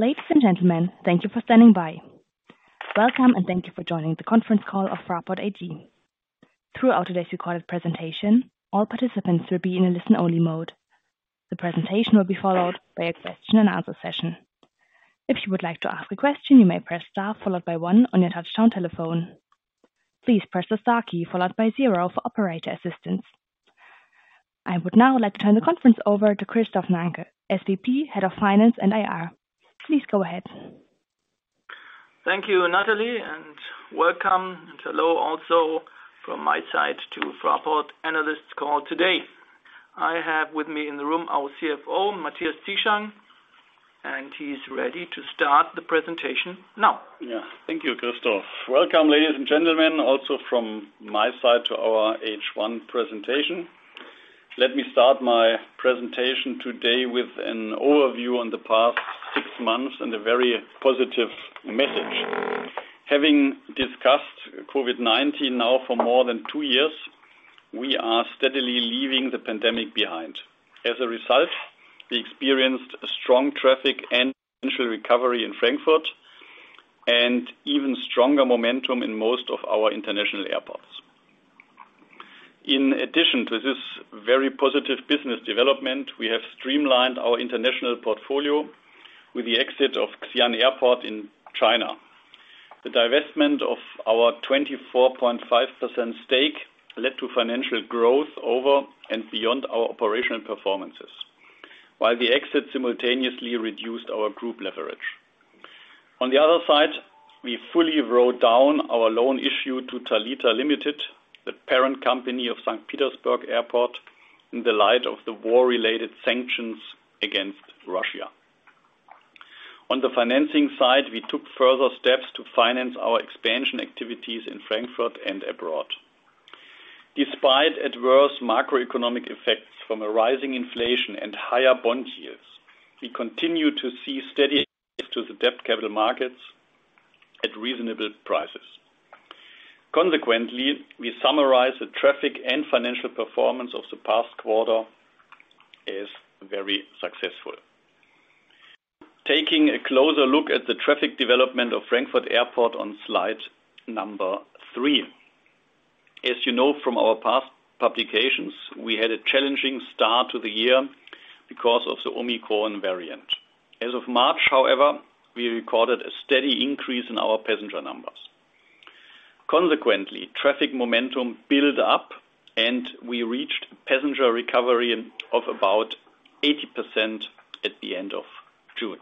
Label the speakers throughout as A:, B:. A: Ladies and gentlemen, thank you for standing by. Welcome, and thank you for joining the conference call of Fraport AG. Throughout today's recorded presentation, all participants will be in a listen-only mode. The presentation will be followed by a question and answer session. If you would like to ask a question, you may press star followed by one on your touchtone telephone. Please press the star key followed by zero for operator assistance. I would now like to turn the conference over to Christoph Nanke, SVP, Head of Finance and IR. Please go ahead.
B: Thank you, Natalie, and welcome. Hello also from my side to Fraport Analysts Call today. I have with me in the room our CFO, Matthias Zieschang, and he's ready to start the presentation now.
C: Yeah. Thank you, Christoph Nanke. Welcome, ladies and gentlemen, also from my side to our H1 presentation. Let me start my presentation today with an overview on the past six months and a very positive message. Having discussed COVID-19 now for more than two years, we are steadily leaving the pandemic behind. As a result, we experienced a strong traffic and passenger recovery in Frankfurt and even stronger momentum in most of our international airports. In addition to this very positive business development, we have streamlined our international portfolio with the exit of Xi'an Airport in China. The divestment of our 24.5% stake led to financial growth over and beyond our operational performances, while the exit simultaneously reduced our group leverage. On the other side, we fully wrote down our loan issued to Thalita Limited, the parent company of St. Petersburg Airport, in the light of the war-related sanctions against Russia. On the financing side, we took further steps to finance our expansion activities in Frankfurt and abroad. Despite adverse macroeconomic effects from a rising inflation and higher bond yields, we continue to see steady access to the debt capital markets at reasonable prices. Consequently, we summarize the traffic and financial performance of the past quarter as very successful. Taking a closer look at the traffic development of Frankfurt Airport on slide number three. As you know from our past publications, we had a challenging start to the year because of the Omicron variant. As of March, however, we recorded a steady increase in our passenger numbers. Consequently, traffic momentum built up, and we reached passenger recovery of about 80% at the end of June.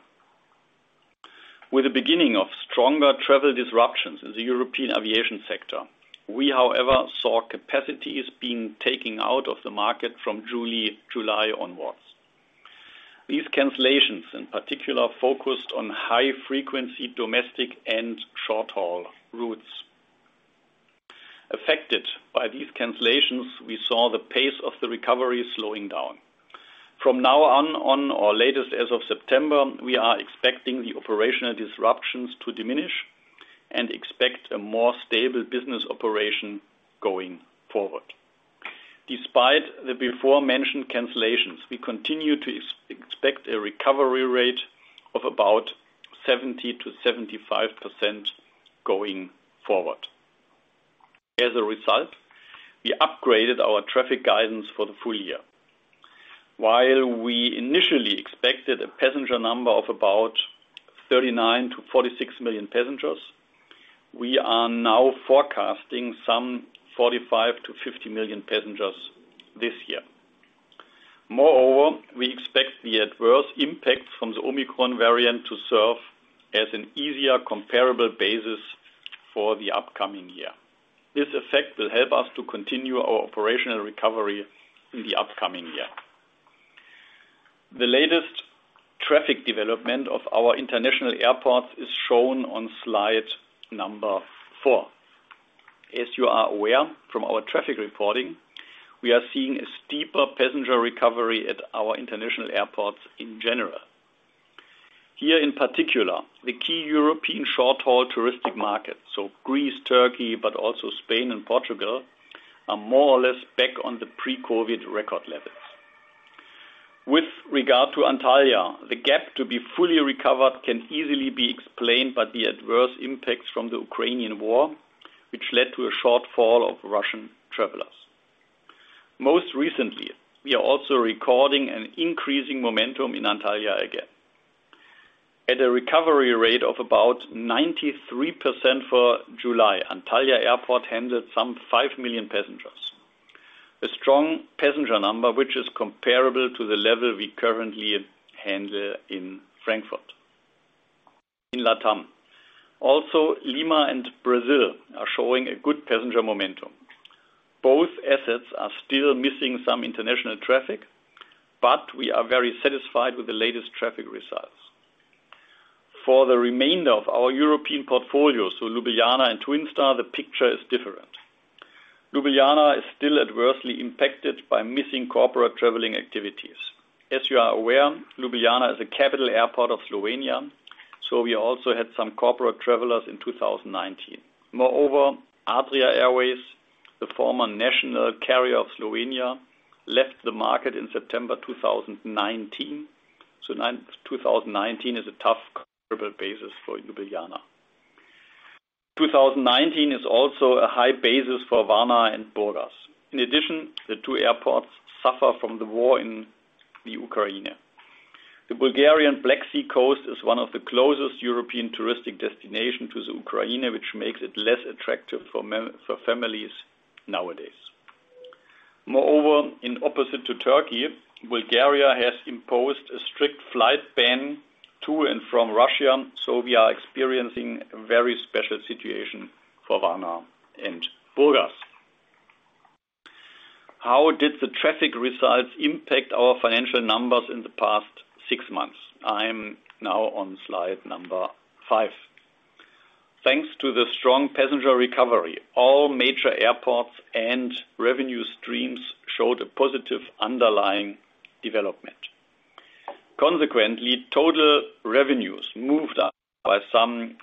C: With the beginning of stronger travel disruptions in the European aviation sector, we, however, saw capacities being taken out of the market from July onwards. These cancellations in particular focused on high frequency domestic and short-haul routes. Affected by these cancellations, we saw the pace of the recovery slowing down. From now on or at the latest as of September, we are expecting the operational disruptions to diminish and expect a more stable business operation going forward. Despite the before mentioned cancellations, we continue to expect a recovery rate of about 70%-75% going forward. As a result, we upgraded our traffic guidance for the full year. While we initially expected a passenger number of about 39-46 million passengers, we are now forecasting some 45-50 million passengers this year. Moreover, we expect the adverse impact from the Omicron variant to serve as an easier comparable basis for the upcoming year. This effect will help us to continue our operational recovery in the upcoming year. The latest traffic development of our international airports is shown on slide number four. As you are aware from our traffic reporting, we are seeing a steeper passenger recovery at our international airports in general. Here, in particular, the key European short-haul touristic market, so Greece, Turkey, but also Spain and Portugal, are more or less back on the pre-COVID record levels. With regard to Antalya, the gap to be fully recovered can easily be explained by the adverse impacts from the Ukrainian war, which led to a shortfall of Russian travelers. Most recently, we are also recording an increasing momentum in Antalya again. At a recovery rate of about 93% for July, Antalya Airport handled some 5 million passengers, a strong passenger number, which is comparable to the level we currently handle in Frankfurt. In LATAM, also Lima and Brazil are showing a good passenger momentum. Both assets are still missing some international traffic, but we are very satisfied with the latest traffic results. For the remainder of our European portfolio, so Ljubljana and Twin Star, the picture is different. Ljubljana is still adversely impacted by missing corporate traveling activities. As you are aware, Ljubljana is a capital airport of Slovenia, so we also had some corporate travelers in 2019. Moreover, Adria Airways, the former national carrier of Slovenia, left the market in September 2019. 2019 is a tough comparable basis for Ljubljana. 2019 is also a high basis for Varna and Burgas. In addition, the two airports suffer from the war in the Ukraine. The Bulgarian Black Sea coast is one of the closest European touristic destination to the Ukraine, which makes it less attractive for families nowadays. Moreover, in opposite to Turkey, Bulgaria has imposed a strict flight ban to and from Russia, so we are experiencing a very special situation for Varna and Burgas. How did the traffic results impact our financial numbers in the past six months? I'm now on slide number five. Thanks to the strong passenger recovery, all major airports and revenue streams showed a positive underlying development. Consequently, total revenues moved up by some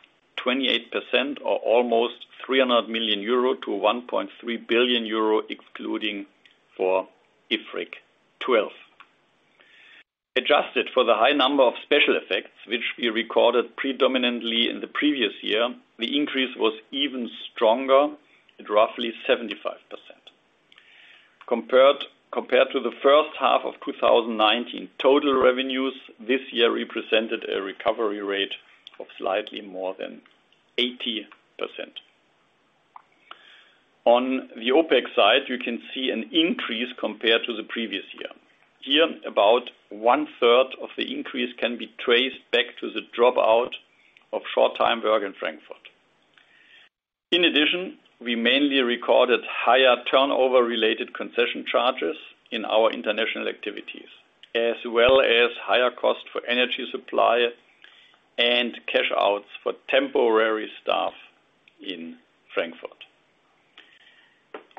C: 28% or almost 300 million euro to 1.3 billion euro, excluding for IFRIC 12. Adjusted for the high number of special effects, which we recorded predominantly in the previous year, the increase was even stronger at roughly 75%. Compared to the first half of 2019, total revenues this year represented a recovery rate of slightly more than 80%. On the OpEx side, you can see an increase compared to the previous year. Here, about 1/3 of the increase can be traced back to the drop out of short-time work in Frankfurt. In addition, we mainly recorded higher turnover-related concession charges in our international activities, as well as higher cost for energy supply and cash outs for temporary staff in Frankfurt.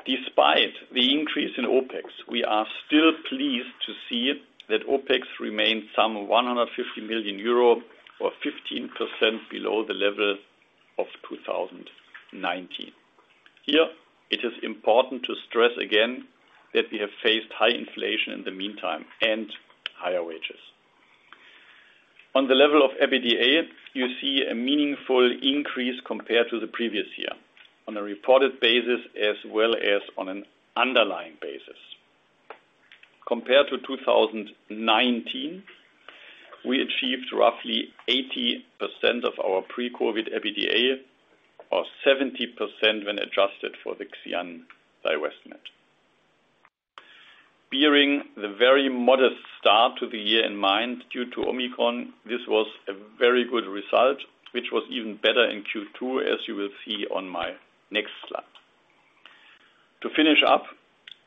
C: Despite the increase in OpEx, we are still pleased to see that OpEx remains some 150 million euro or 15% below the level of 2019. Here, it is important to stress again that we have faced high inflation in the meantime and higher wages. On the level of EBITDA, you see a meaningful increase compared to the previous year on a reported basis, as well as on an underlying basis. Compared to 2019, we achieved roughly 80% of our pre-COVID EBITDA, or 70% when adjusted for the Xi'an divestment. Bearing the very modest start to the year in mind due to Omicron, this was a very good result, which was even better in Q2, as you will see on my next slide. To finish up,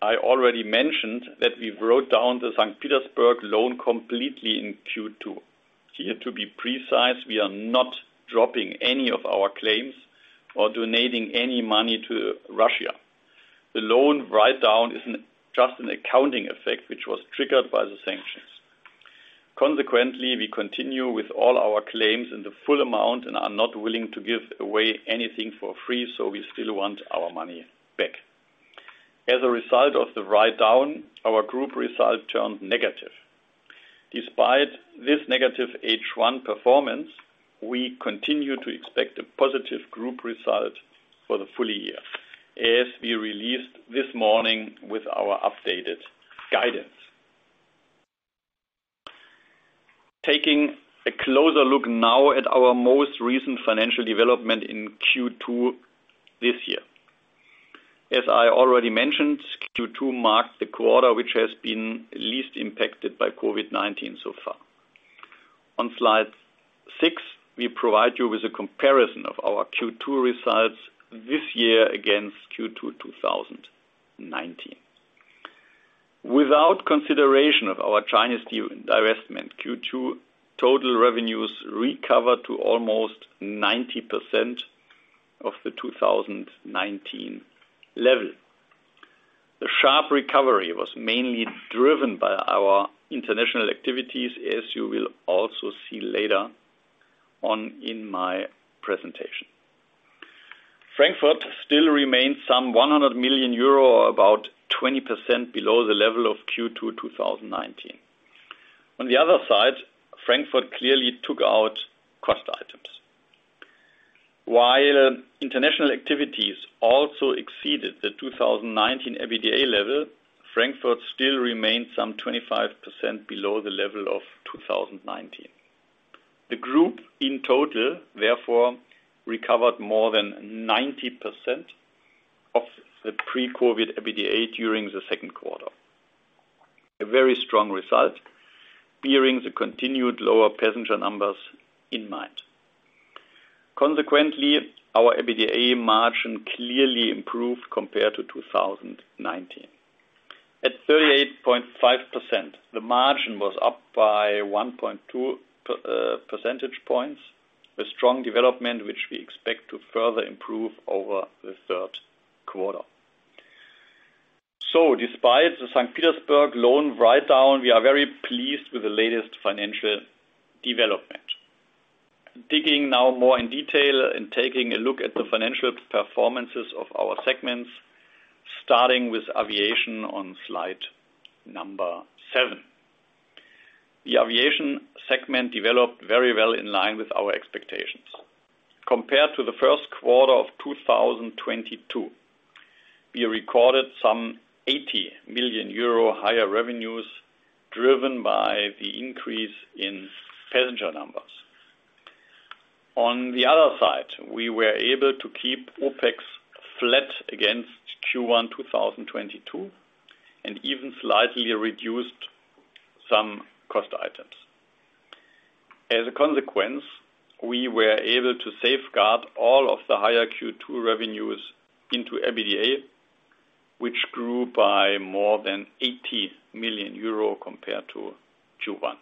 C: I already mentioned that we wrote down the St. Petersburg loan completely in Q2. Here, to be precise, we are not dropping any of our claims or donating any money to Russia. The loan write-down is just an accounting effect, which was triggered by the sanctions. Consequently, we continue with all our claims in the full amount and are not willing to give away anything for free, so we still want our money back. As a result of the write-down, our group result turned negative. Despite this negative H1 performance, we continue to expect a positive group result for the full year, as we released this morning with our updated guidance. Taking a closer look now at our most recent financial development in Q2 this year. As I already mentioned, Q2 marks the quarter which has been least impacted by COVID-19 so far. On slide six, we provide you with a comparison of our Q2 results this year against Q2 2019. Without consideration of our Xi'an divestment, Q2 total revenues recovered to almost 90% of the 2019 level. The sharp recovery was mainly driven by our international activities, as you will also see later on in my presentation. Frankfurt still remains some 100 million euro, or about 20% below the level of Q2 2019. On the other side, Frankfurt clearly took out cost items. While international activities also exceeded the 2019 EBITDA level, Frankfurt still remains some 25% below the level of 2019. The group in total, therefore, recovered more than 90% of the pre-COVID EBITDA during the second quarter. A very strong result bearing the continued lower passenger numbers in mind. Consequently, our EBITDA margin clearly improved compared to 2019. At 38.5%, the margin was up by 1.2 percentage points, a strong development which we expect to further improve over the third quarter. Despite the St. Petersburg loan write-down, we are very pleased with the latest financial developments. Digging now more in detail and taking a look at the financial performances of our segments, starting with aviation on slide number seven. The aviation segment developed very well in line with our expectations. Compared to the first quarter of 2022, we recorded some 80 million euro higher revenues driven by the increase in passenger numbers. On the other side, we were able to keep OpEx flat against Q1 2022, and even slightly reduced some cost items. As a consequence, we were able to safeguard all of the higher Q2 revenues into EBITDA, which grew by more than 80 million euro compared to Q1.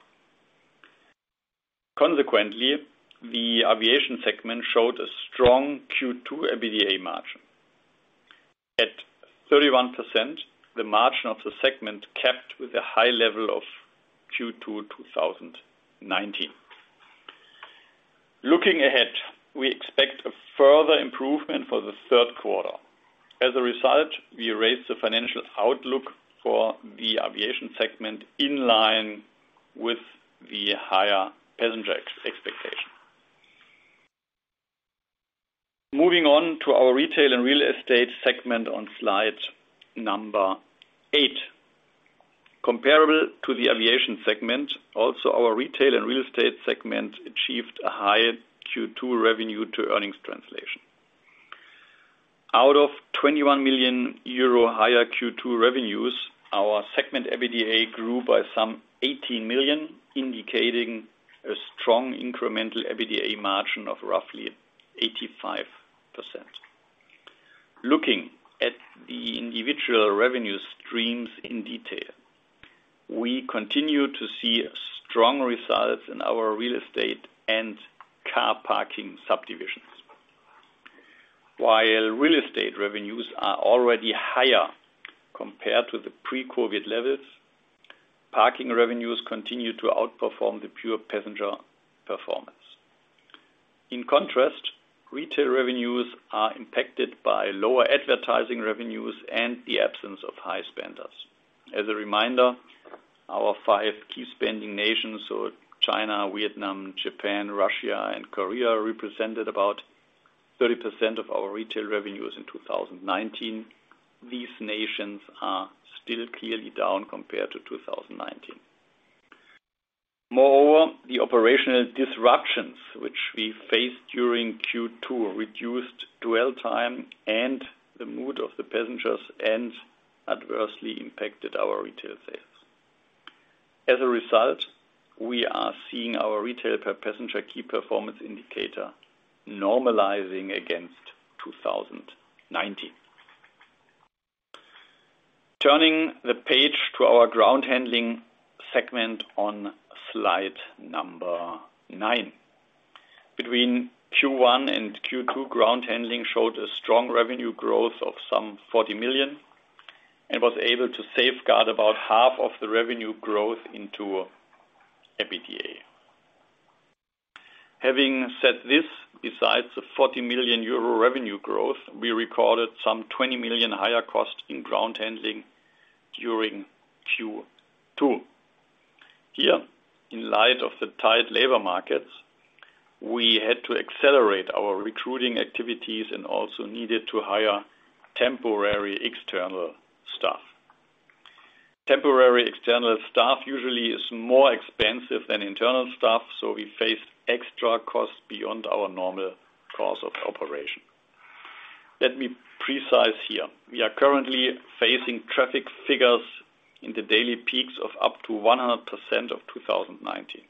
C: Consequently, the aviation segment showed a strong Q2 EBITDA margin. At 31%, the margin of the segment kept with a high level of Q2 2019. Looking ahead, we expect a further improvement for the third quarter. As a result, we raised the financial outlook for the aviation segment in line with the higher passenger expectation. Moving on to our retail and real estate segment on slide number eight. Comparable to the aviation segment, also our retail and real estate segment achieved a higher Q2 revenue to earnings translation. Out of 21 million euro higher Q2 revenues, our segment EBITDA grew by some 18 million, indicating a strong incremental EBITDA margin of roughly 85%. Looking at the individual revenue streams in detail, we continue to see strong results in our real estate and car parking subdivisions. While real estate revenues are already higher compared to the pre-COVID levels, parking revenues continue to outperform the pure passenger performance. In contrast, retail revenues are impacted by lower advertising revenues and the absence of high spenders. As a reminder, our five key spending nations, so China, Vietnam, Japan, Russia, and Korea, represented about 30% of our retail revenues in 2019. These nations are still clearly down compared to 2019. Moreover, the operational disruptions which we faced during Q2 reduced dwell time and the mood of the passengers, and adversely impacted our retail sales. As a result, we are seeing our retail per passenger key performance indicator normalizing against 2019. Turning the page to our ground handling segment on slide number nine. Between Q1 and Q2, ground handling showed a strong revenue growth of some 40 million, and was able to safeguard about half of the revenue growth into EBITDA. Having said this, besides the 40 million euro revenue growth, we recorded some 20 million higher costs in ground handling during Q2. Here, in light of the tight labor markets, we had to accelerate our recruiting activities and also needed to hire temporary external staff. Temporary external staff usually is more expensive than internal staff, so we face extra costs beyond our normal cost of operation. Let me be precise here, we are currently facing traffic figures in the daily peaks of up to 100% of 2019.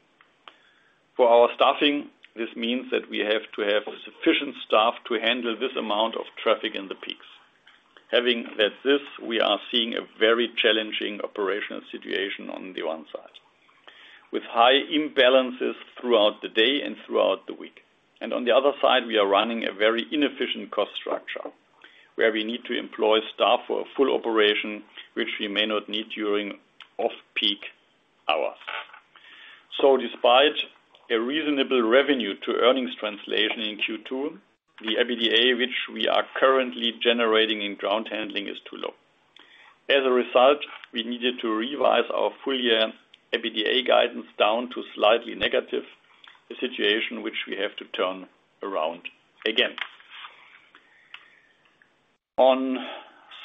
C: For our staffing, this means that we have to have sufficient staff to handle this amount of traffic in the peaks. Having said this, we are seeing a very challenging operational situation on the one side, with high imbalances throughout the day and throughout the week. On the other side, we are running a very inefficient cost structure, where we need to employ staff for a full operation, which we may not need during off-peak hours. Despite a reasonable revenue to earnings translation in Q2, the EBITDA, which we are currently generating in ground handling, is too low. As a result, we needed to revise our full year EBITDA guidance down to slightly negative, a situation which we have to turn around again. On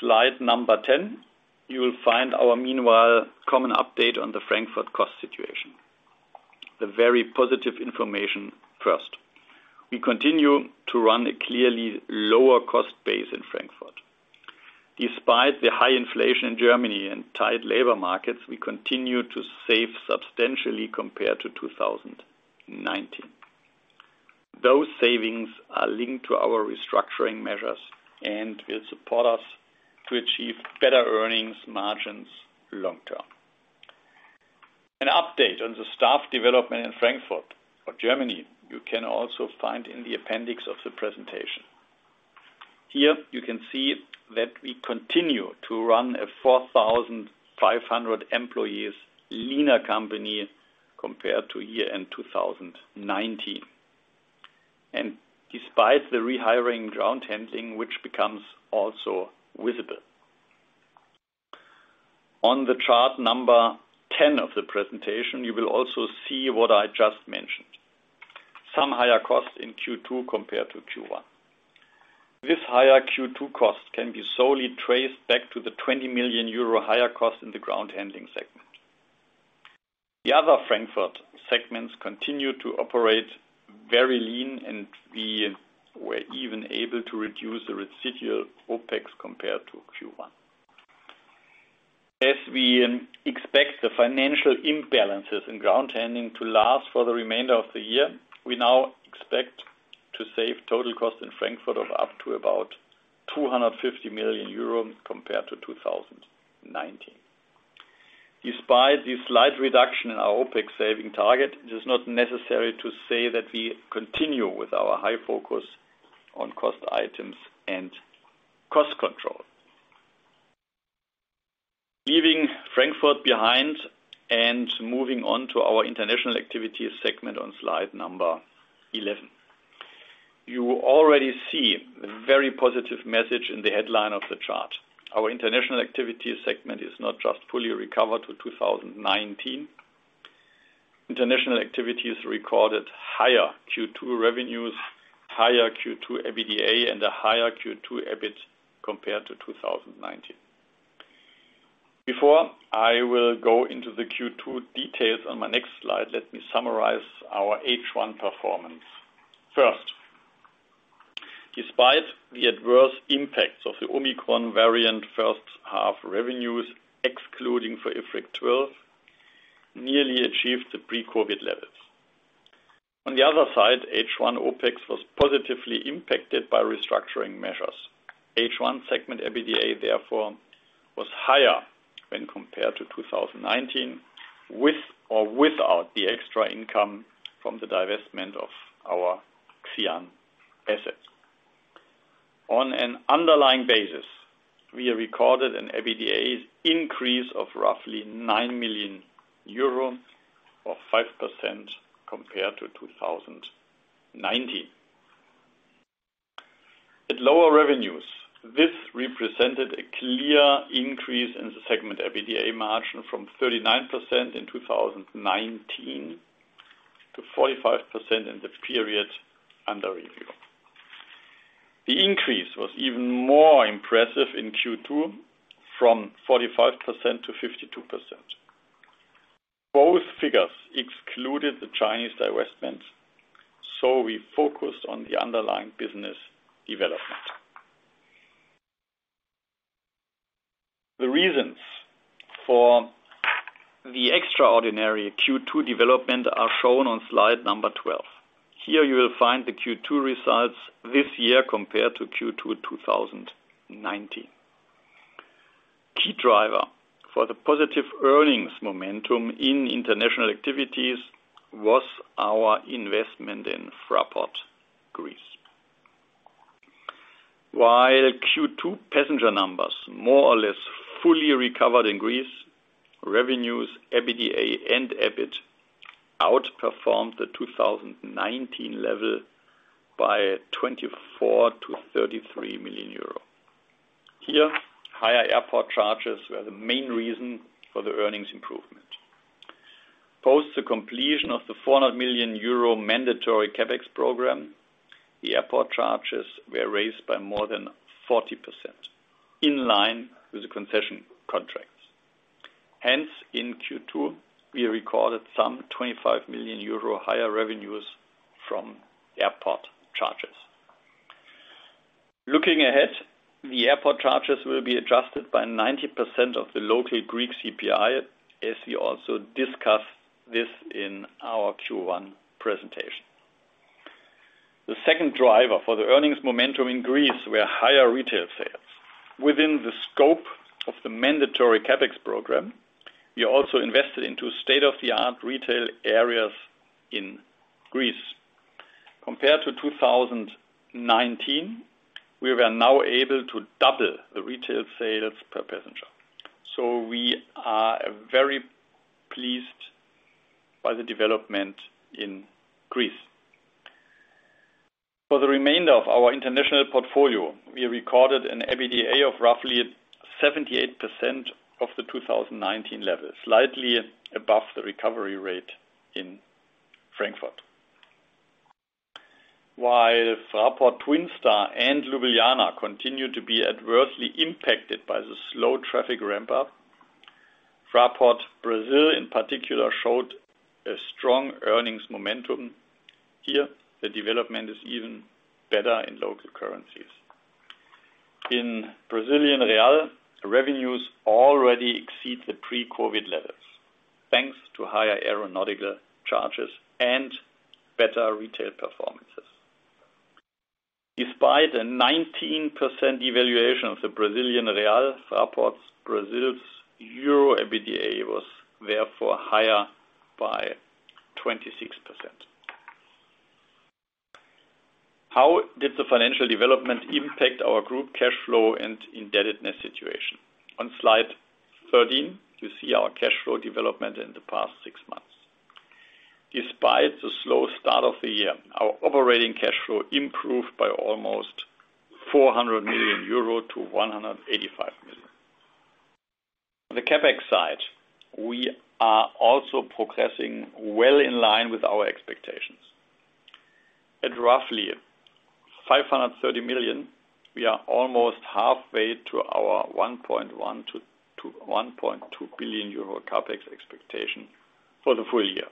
C: slide number 10, you will find our meanwhile common update on the Frankfurt cost situation. The very positive information first. We continue to run a clearly lower cost base in Frankfurt. Despite the high inflation in Germany and tight labor markets, we continue to save substantially compared to 2019. Those savings are linked to our restructuring measures and will support us to achieve better earnings margins long term. An update on the staff development in Frankfurt or Germany, you can also find in the appendix of the presentation. Here you can see that we continue to run a 4,500 employees leaner company compared to year-end 2019. Despite the rehiring ground handling, which becomes also visible. On the chart number 10 of the presentation, you will also see what I just mentioned, some higher costs in Q2 compared to Q1. This higher Q2 cost can be solely traced back to the 20 million euro higher cost in the ground handling segment. The other Frankfurt segments continue to operate very lean, and we were even able to reduce the residual OpEx compared to Q1. As we expect the financial imbalances in ground handling to last for the remainder of the year, we now expect to save total cost in Frankfurt of up to about 250 million euro compared to 2019. Despite the slight reduction in our OpEx saving target, it is not necessary to say that we continue with our high focus on cost items and cost control. Leaving Frankfurt behind and moving on to our international activities segment on slide 11. You already see the very positive message in the headline of the chart. Our international activities segment is not just fully recovered to 2019. International activities recorded higher Q2 revenues, higher Q2 EBITDA, and a higher Q2 EBIT compared to 2019. Before I will go into the Q2 details on my next slide, let me summarize our H1 performance. First, despite the adverse impacts of the Omicron variant, first half revenues, excluding for IFRIC 12, nearly achieved the pre-COVID levels. On the other side, H1 OpEx was positively impacted by restructuring measures. H1 segment EBITDA, therefore, was higher when compared to 2019, with or without the extra income from the divestment of our Xi'an assets. On an underlying basis, we have recorded an EBITDA increase of roughly 9 million euro or 5% compared to 2019. At lower revenues, this represented a clear increase in the segment EBITDA margin from 39% in 2019 to 45% in the period under review. The increase was even more impressive in Q2, from 45% to 52%. Both figures excluded the Chinese divestment, so we focused on the underlying business development. The reasons for the extraordinary Q2 development are shown on slide 12. Here you will find the Q2 results this year compared to Q2 2019. Key driver for the positive earnings momentum in international activities was our investment in Fraport Greece. While Q2 passenger numbers more or less fully recovered in Greece, revenues, EBITDA and EBIT outperformed the 2019 level by 24 million-33 million euro. Here, higher airport charges were the main reason for the earnings improvement. Post the completion of the 400 million euro mandatory CapEx program, the airport charges were raised by more than 40% in line with the concession contracts. Hence, in Q2, we recorded some 25 million euro higher revenues from airport charges. Looking ahead, the airport charges will be adjusted by 90% of the local Greek CPI, as we also discussed this in our Q1 presentation. The second driver for the earnings momentum in Greece were higher retail sales. Within the scope of the mandatory CapEx program, we also invested into state-of-the-art retail areas in Greece. Compared to 2019, we were now able to double the retail sales per passenger. We are very pleased by the development in Greece. For the remainder of our international portfolio, we recorded an EBITDA of roughly 78% of the 2019 level, slightly above the recovery rate in Frankfurt. While Fraport Twin Star and Ljubljana continue to be adversely impacted by the slow traffic ramp up, Fraport Brasil, in particular, showed a strong earnings momentum. Here, the development is even better in local currencies. In Brazilian real, the revenues already exceed the pre-COVID levels, thanks to higher aeronautical charges and better retail performances. Despite a 19% devaluation of the Brazilian real, Fraport Brasil's EUR EBITDA was therefore higher by 26%. How did the financial development impact our group cash flow and indebtedness situation? On slide 13, you see our cash flow development in the past six months. Despite the slow start of the year, our operating cash flow improved by almost 400 million euro to 185 million. The CapEx side, we are also progressing well in line with our expectations. At roughly 530 million, we are almost halfway to our 1.1 billion-1.2 billion euro CapEx expectation for the full year.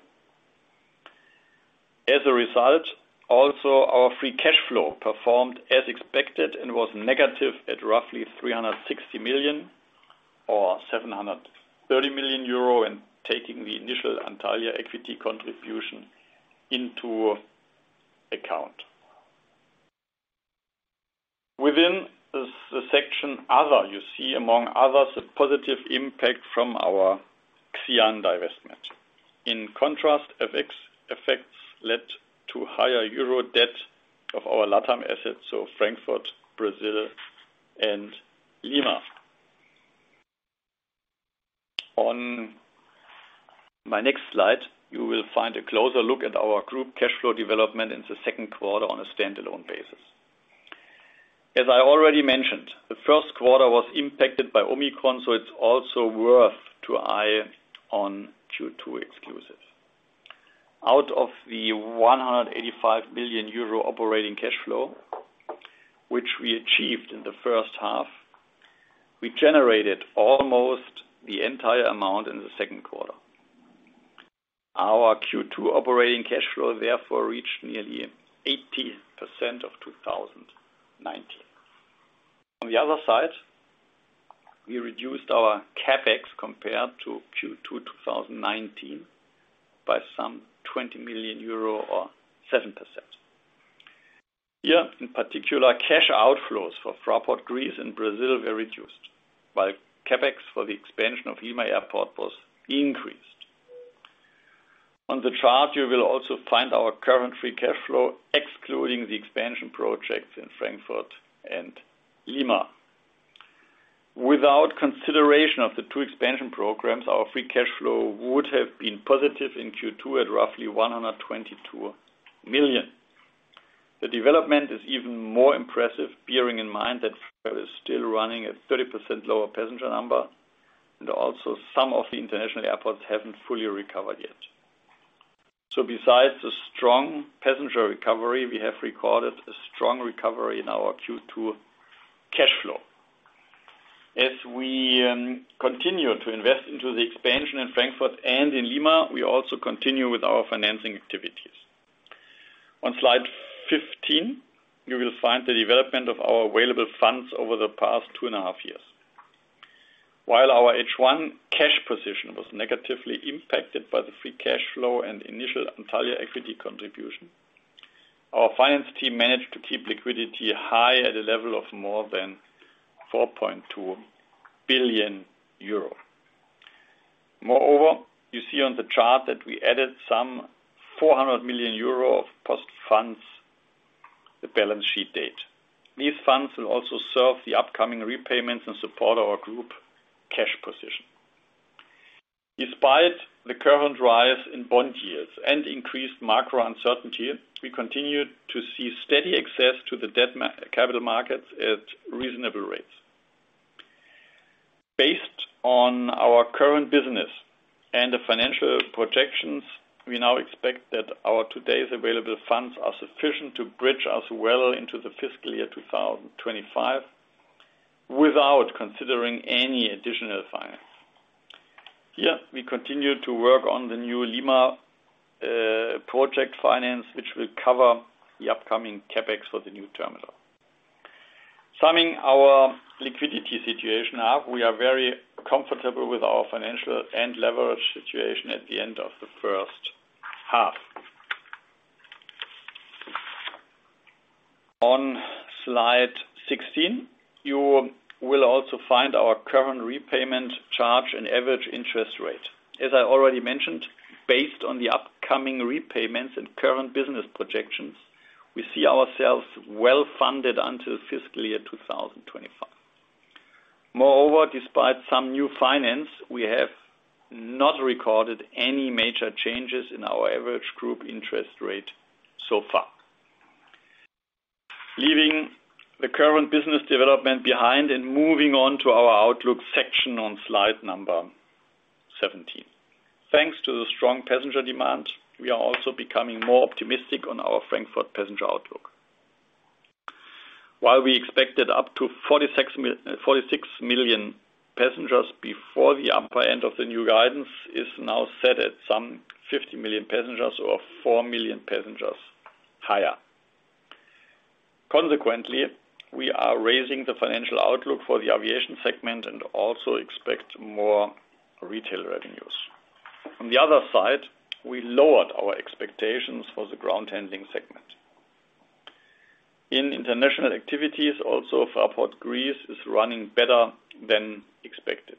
C: As a result, also our free cash flow performed as expected and was negative at roughly 360 million or 730 million euro in taking the initial Antalya equity contribution into account. Within the section other, you see among others, the positive impact from our Xi'an divestment. In contrast, FX effects led to higher euro debt of our LATAM assets, so Frankfurt, Brazil, and Lima. On my next slide, you will find a closer look at our group cash flow development in the second quarter on a standalone basis. As I already mentioned, the first quarter was impacted by Omicron, so it's also worth having an eye on Q2 exclusively. Out of the 185 million euro operating cash flow, which we achieved in the first half, we generated almost the entire amount in the second quarter. Our Q2 operating cash flow therefore reached nearly 80% of 2019. On the other side, we reduced our CapEx compared to Q2 2019 by some 20 million euro or 7%. Here, in particular, cash outflows for Fraport Greece and Brazil were reduced, while CapEx for the expansion of Lima Airport was increased. On the chart, you will also find our current free cash flow, excluding the expansion projects in Frankfurt and Lima. Without consideration of the two expansion programs, our free cash flow would have been positive in Q2 at roughly 122 million. The development is even more impressive, bearing in mind that Fraport is still running at 30% lower passenger number, and also some of the international airports haven't fully recovered yet. Besides the strong passenger recovery, we have recorded a strong recovery in our Q2 cash flow. As we continue to invest into the expansion in Frankfurt and in Lima, we also continue with our financing activities. On slide 15, you will find the development of our available funds over the past two and a half years. While our H1 cash position was negatively impacted by the free cash flow and initial Antalya equity contribution, our finance team managed to keep liquidity high at a level of more than 4.2 billion euro. Moreover, you see on the chart that we added 400 million euro of funds post the balance sheet date. These funds will also serve the upcoming repayments and support our group cash position. Despite the current rise in bond yields and increased macro uncertainty, we continue to see steady access to the debt capital markets at reasonable rates. Based on our current business and the financial projections, we now expect that our today's available funds are sufficient to bridge us well into the fiscal year 2025 without considering any additional finance. Here, we continue to work on the new Lima project finance, which will cover the upcoming CapEx for the new terminal. Summing our liquidity situation up, we are very comfortable with our financial and leverage situation at the end of the first half. On slide 16, you will also find our current repayment charge and average interest rate. As I already mentioned, based on the upcoming repayments and current business projections, we see ourselves well-funded until fiscal year 2025. Moreover, despite some new financing, we have not recorded any major changes in our average group interest rate so far. Leaving the current business development behind and moving on to our outlook section on slide number 17. Thanks to the strong passenger demand, we are also becoming more optimistic on our Frankfurt passenger outlook. While we expected up to 46 million passengers before, the upper end of the new guidance is now set at some 50 million passengers or 4 million passengers higher. Consequently, we are raising the financial outlook for the aviation segment and also expect more retail revenues. On the other side, we lowered our expectations for the ground handling segment. In international activities, also Fraport Greece is running better than expected.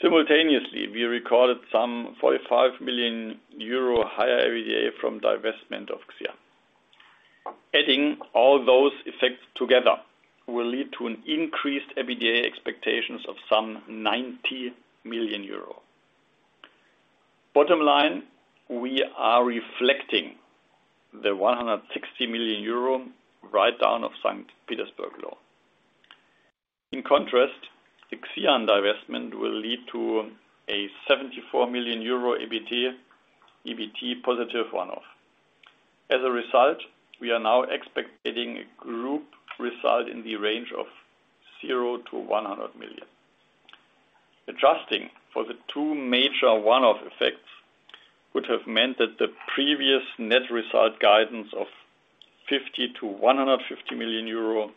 C: Simultaneously, we recorded some 45 million euro higher EBITDA from divestment of Xi'an. Adding all those effects together will lead to increased EBITDA expectations of some 90 million euro. Bottom line, we are reflecting the 160 million euro write down of St. Petersburg law. In contrast, the Xi'an divestment will lead to a 74 million euro EBT positive one-off. As a result, we are now expecting a group result in the range of 0-100 million. Adjusting for the two major one-off effects would have meant that the previous net result guidance of 50 million-150 million euro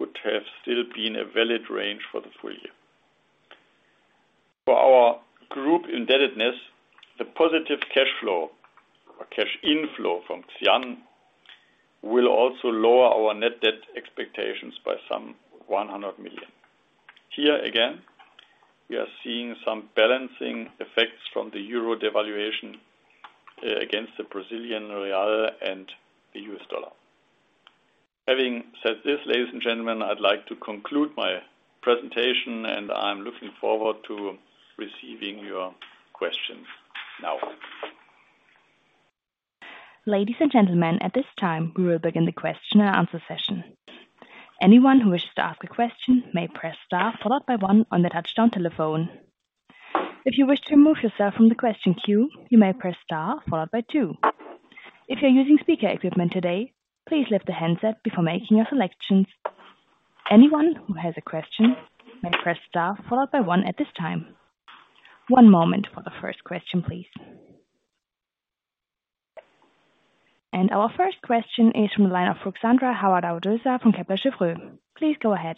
C: would have still been a valid range for the full year. For our group indebtedness, the positive cash flow or cash inflow from Xi'an will also lower our net debt expectations by some 100 million. Here again, we are seeing some balancing effects from the euro devaluation against the Brazilian real and the U.S. dollar. Having said this, ladies and gentlemen, I'd like to conclude my presentation, and I'm looking forward to receiving your questions now.
A: Ladies and gentlemen, at this time, we will begin the question and answer session. Anyone who wishes to ask a question may press star followed by one on their touchtone telephone. If you wish to remove yourself from the question queue, you may press star followed by two. If you're using speaker equipment today, please lift the handset before making your selections. Anyone who has a question may press star followed by one at this time. One moment for the first question, please. Our first question is from the line of Ruxandra Haradau-Döser from Kepler Cheuvreux. Please go ahead.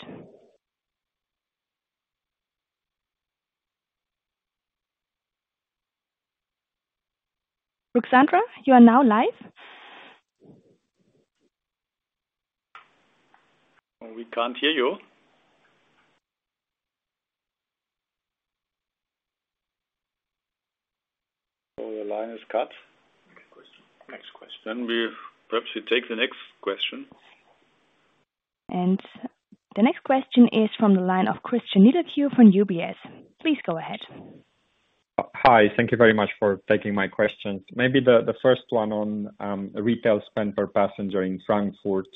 A: Ruxandra, you are now live.
C: We can't hear you. The line is cut. Next question. Next question. We perhaps should take the next question.
A: The next question is from the line of Cristian Nedelcu from UBS. Please go ahead.
D: Hi. Thank you very much for taking my questions. Maybe the first one on retail spend per passenger in Frankfurt.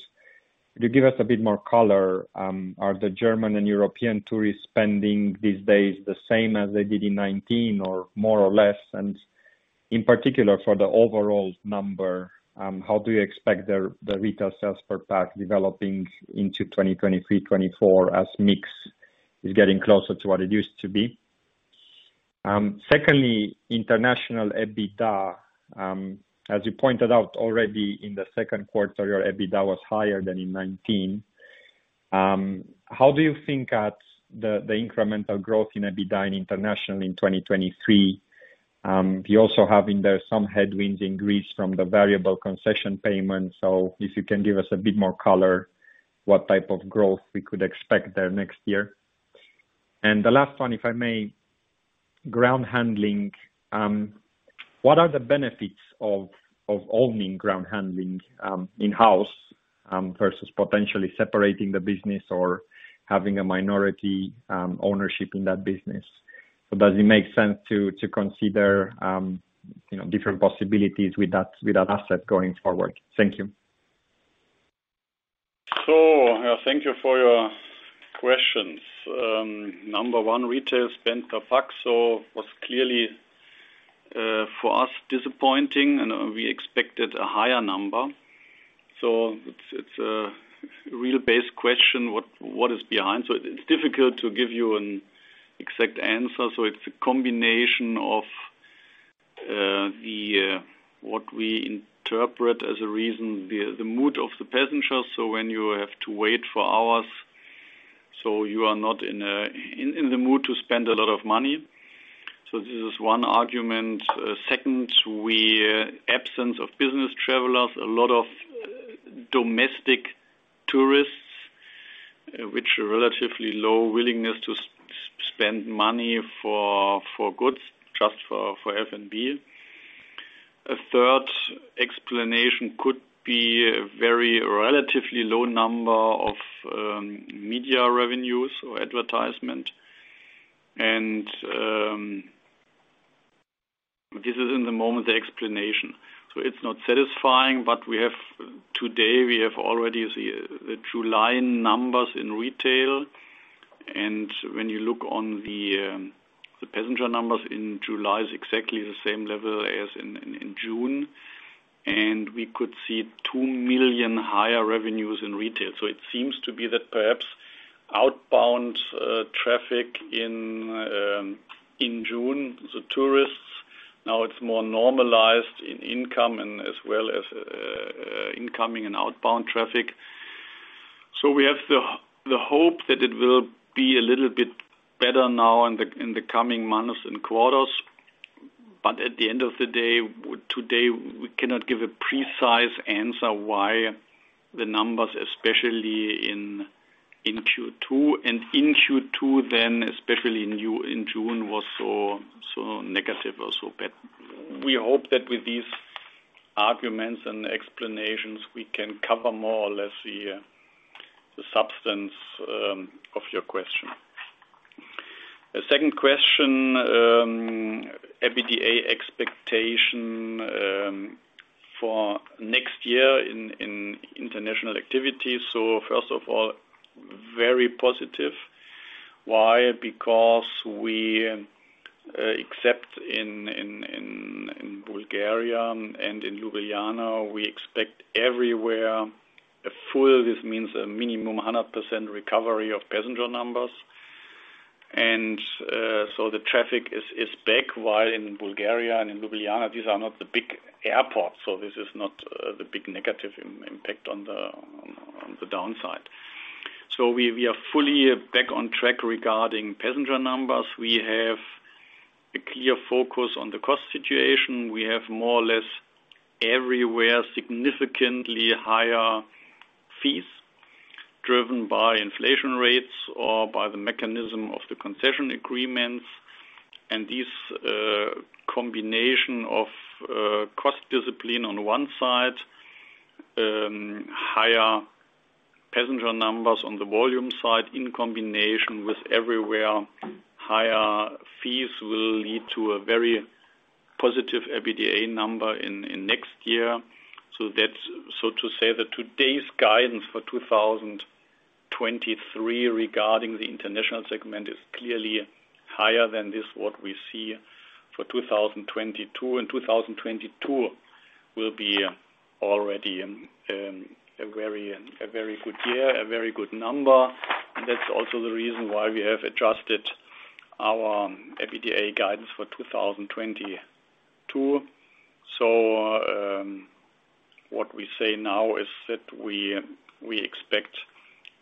D: Could you give us a bit more color? Are the German and European tourists spending these days the same as they did in 2019 or more or less? In particular, for the overall number, how do you expect the retail sales per pax developing into 2023, 2024 as mix is getting closer to what it used to be? Secondly, international EBITDA, as you pointed out already in the second quarter, your EBITDA was higher than in 2019. How do you think about the incremental growth in EBITDA in international in 2023? You also have in there some headwinds in Greece from the variable concession payment. If you can give us a bit more color, what type of growth we could expect there next year. The last one, if I may, ground handling. What are the benefits of owning ground handling in-house versus potentially separating the business or having a minority ownership in that business? Does it make sense to consider, you know, different possibilities with that asset going forward? Thank you.
C: Thank you for your questions. Number one, retail spend per pax was clearly for us disappointing, and we expected a higher number. It's a real basic question, what is behind. It's difficult to give you an exact answer. It's a combination of what we interpret as a reason, the mood of the passengers. When you have to wait for hours, you are not in the mood to spend a lot of money. This is one argument. Second, the absence of business travelers, a lot of domestic tourists, which are relatively low willingness to spend money for goods, just for F&B. A third explanation could be a relatively low number of media revenues or advertisement. This is at the moment the explanation. It's not satisfying, but we have today already the July numbers in retail. When you look on the passenger numbers in July is exactly the same level as in June. We could see 2 million higher revenues in retail. It seems to be that perhaps outbound traffic in June, the tourists, now it's more normalized in income and as well as incoming and outbound traffic. We have the hope that it will be a little bit better now in the coming months and quarters. At the end of the day, today, we cannot give a precise answer why the numbers, especially in Q2, and in Q2 then especially in June, was so negative or so bad. We hope that with these arguments and explanations, we can cover more or less the substance of your question. The second question, EBITDA expectation for next year in international activities. First of all, very positive. Why? Because we except in Bulgaria and in Ljubljana, we expect everywhere a full, this means a minimum 100% recovery of passenger numbers. The traffic is back, while in Bulgaria and in Ljubljana, these are not the big airports, so this is not the big negative impact on the downside. We are fully back on track regarding passenger numbers. We have a clear focus on the cost situation. We have more or less everywhere significantly higher fees driven by inflation rates or by the mechanism of the concession agreements. This combination of cost discipline on one side, higher passenger numbers on the volume side in combination with everywhere higher fees will lead to a very positive EBITDA number in next year. That's so to say that today's guidance for 2023 regarding the international segment is clearly higher than what we see for 2022. 2022 will be already a very good year, a very good number. That's also the reason why we have adjusted our EBITDA guidance for 2022. What we say now is that we expect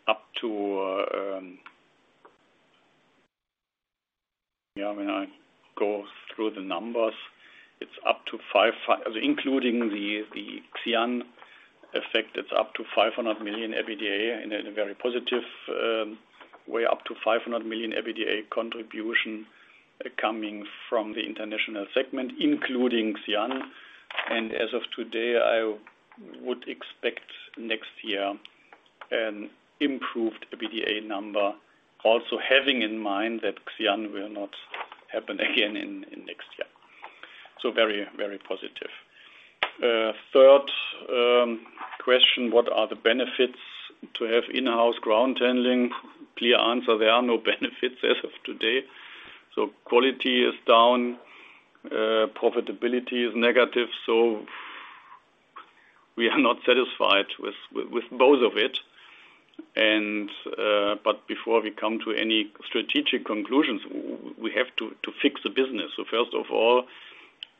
C: up to EUR 500 million. When I go through the numbers, it's up to 500 million. Including the Xi'an effect, it's up to 500 million EBITDA in a very positive way, up to 500 million EBITDA contribution coming from the international segment, including Xi'an. As of today, I would expect next year an improved EBITDA number. Also, having in mind that Xi'an will not happen again in next year. Very, very positive. Third question: What are the benefits to have in-house ground handling? Clear answer, there are no benefits as of today. Quality is down. Profitability is negative. We are not satisfied with both of it. But before we come to any strategic conclusions, we have to fix the business. First of all,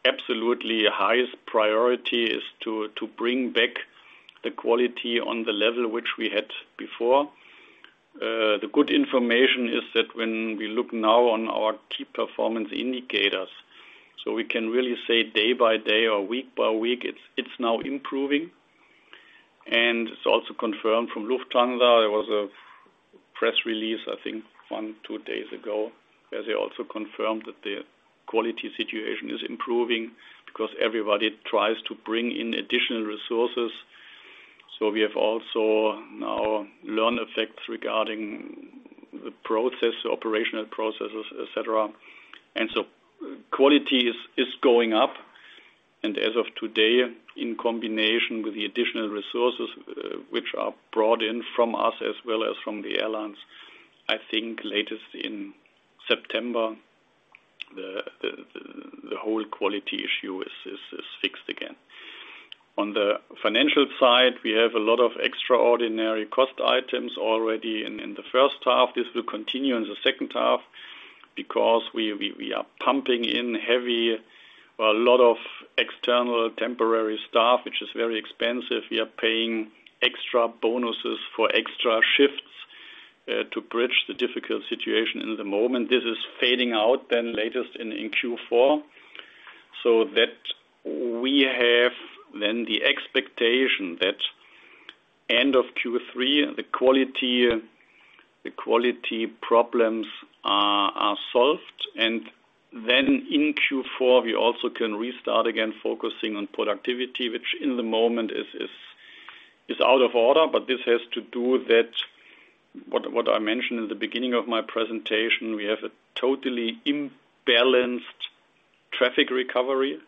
C: absolutely highest priority is to bring back the quality on the level which we had before. The good information is that when we look now on our key performance indicators, so we can really say day by day or week by week, it's now improving. It's also confirmed from Lufthansa. There was a press release, I think, one or two days ago, as they also confirmed that the quality situation is improving because everybody tries to bring in additional resources. We have also now learning effects regarding the process, operational processes, et cetera. Quality is going up. As of today, in combination with the additional resources, which are brought in from us as well as from the airlines, I think latest in September, the whole quality issue is fixed again. On the financial side, we have a lot of extraordinary cost items already in the first half. This will continue in the second half because we are pumping in heavy, a lot of external temporary staff, which is very expensive. We are paying extra bonuses for extra shifts to bridge the difficult situation in the moment. This is fading out then latest in Q4, so that we have then the expectation that end of Q3, the quality problems are solved. Then in Q4, we also can restart again focusing on productivity, which in the moment is out of order. But this has to do with that, what I mentioned in the beginning of my presentation, we have a totally imbalanced traffic recovery.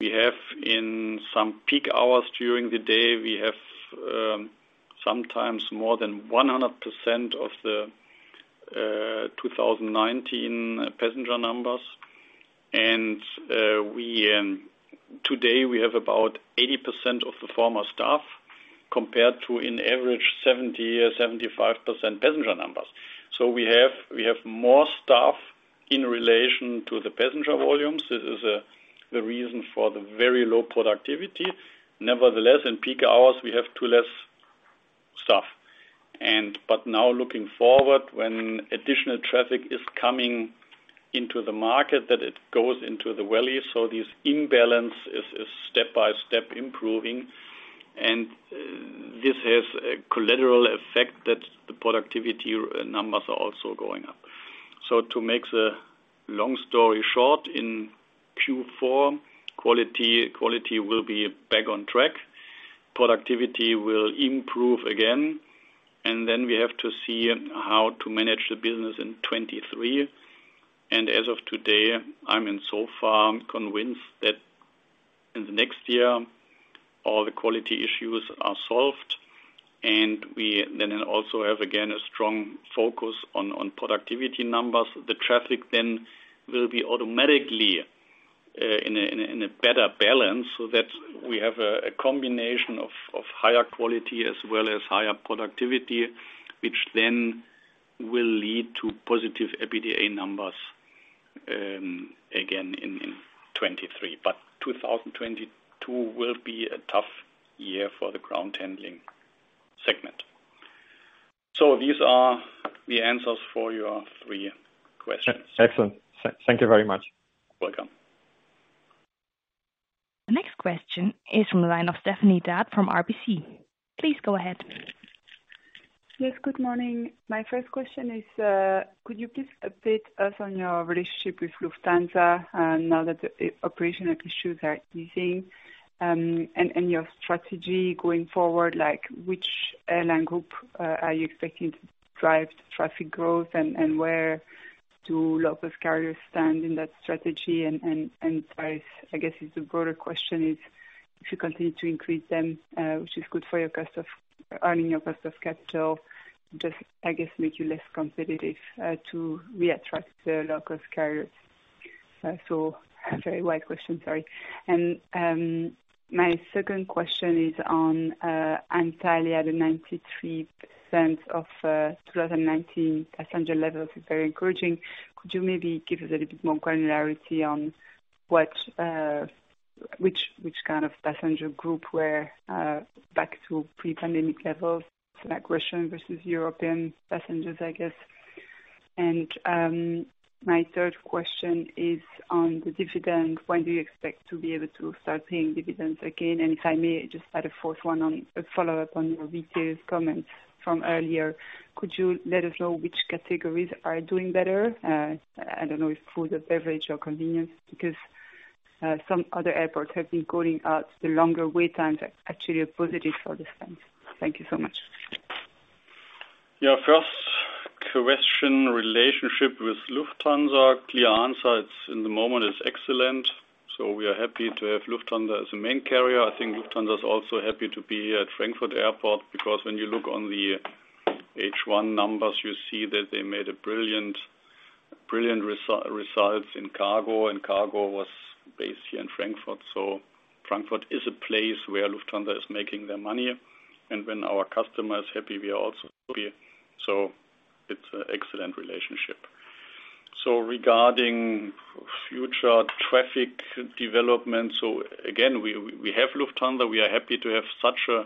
C: We have in some peak hours during the day, sometimes more than 100% of the 2019 passenger numbers. Today we have about 80% of the former staff compared to an average 75% passenger numbers. We have more staff in relation to the passenger volumes. This is the reason for the very low productivity. Nevertheless, in peak hours, we have two less staff. But now looking forward, when additional traffic is coming into the market that it goes into the valley, so this imbalance is step by step improving. This has a collateral effect that the productivity numbers are also going up. To make the long story short, in Q4, quality will be back on track. Productivity will improve again, and then we have to see how to manage the business in 2023. As of today, I'm in so far convinced that in the next year, all the quality issues are solved, and we then also have, again, a strong focus on productivity numbers. The traffic then will be automatically in a better balance so that we have a combination of higher quality as well as higher productivity, which then will lead to positive EBITDA numbers again in 2023. 2022 will be a tough year for the ground handling segment. These are the answers for your three questions.
D: Excellent. Thank you very much.
C: Welcome.
A: The next question is from the line of Stéphanie D'Ath from RBC. Please go ahead.
E: Yes, good morning. My first question is, could you please update us on your relationship with Lufthansa, and now that the operational issues are easing, your strategy going forward, like which airline group are you expecting to drive traffic growth and where do low cost carriers stand in that strategy? I guess it's a broader question is if you continue to increase them, which is good for your cost of capital, just, I guess, make you less competitive to reattract the low cost carriers. So very wide question, sorry. My second question is on Antalya, the 93% of 2019 passenger levels is very encouraging. Could you maybe give us a little bit more granularity on which kind of passenger group were back to pre-pandemic levels? So like Russian versus European passengers, I guess. My third question is on the dividend. When do you expect to be able to start paying dividends again? If I may just add a fourth one on a follow-up on your retail comments from earlier, could you let us know which categories are doing better? I don't know if food or beverage or convenience, because some other airports have been calling out the longer wait times are actually a positive for this time. Thank you so much.
C: Your first question, relationship with Lufthansa. Clear answer, it's at the moment excellent. We are happy to have Lufthansa as a main carrier. I think Lufthansa is also happy to be at Frankfurt Airport, because when you look at the H1 numbers, you see that they made a brilliant results in cargo, and cargo was based here in Frankfurt. Frankfurt is a place where Lufthansa is making their money. When our customer is happy, we are also happy. It's an excellent relationship. Regarding future traffic development, again, we have Lufthansa. We are happy to have such a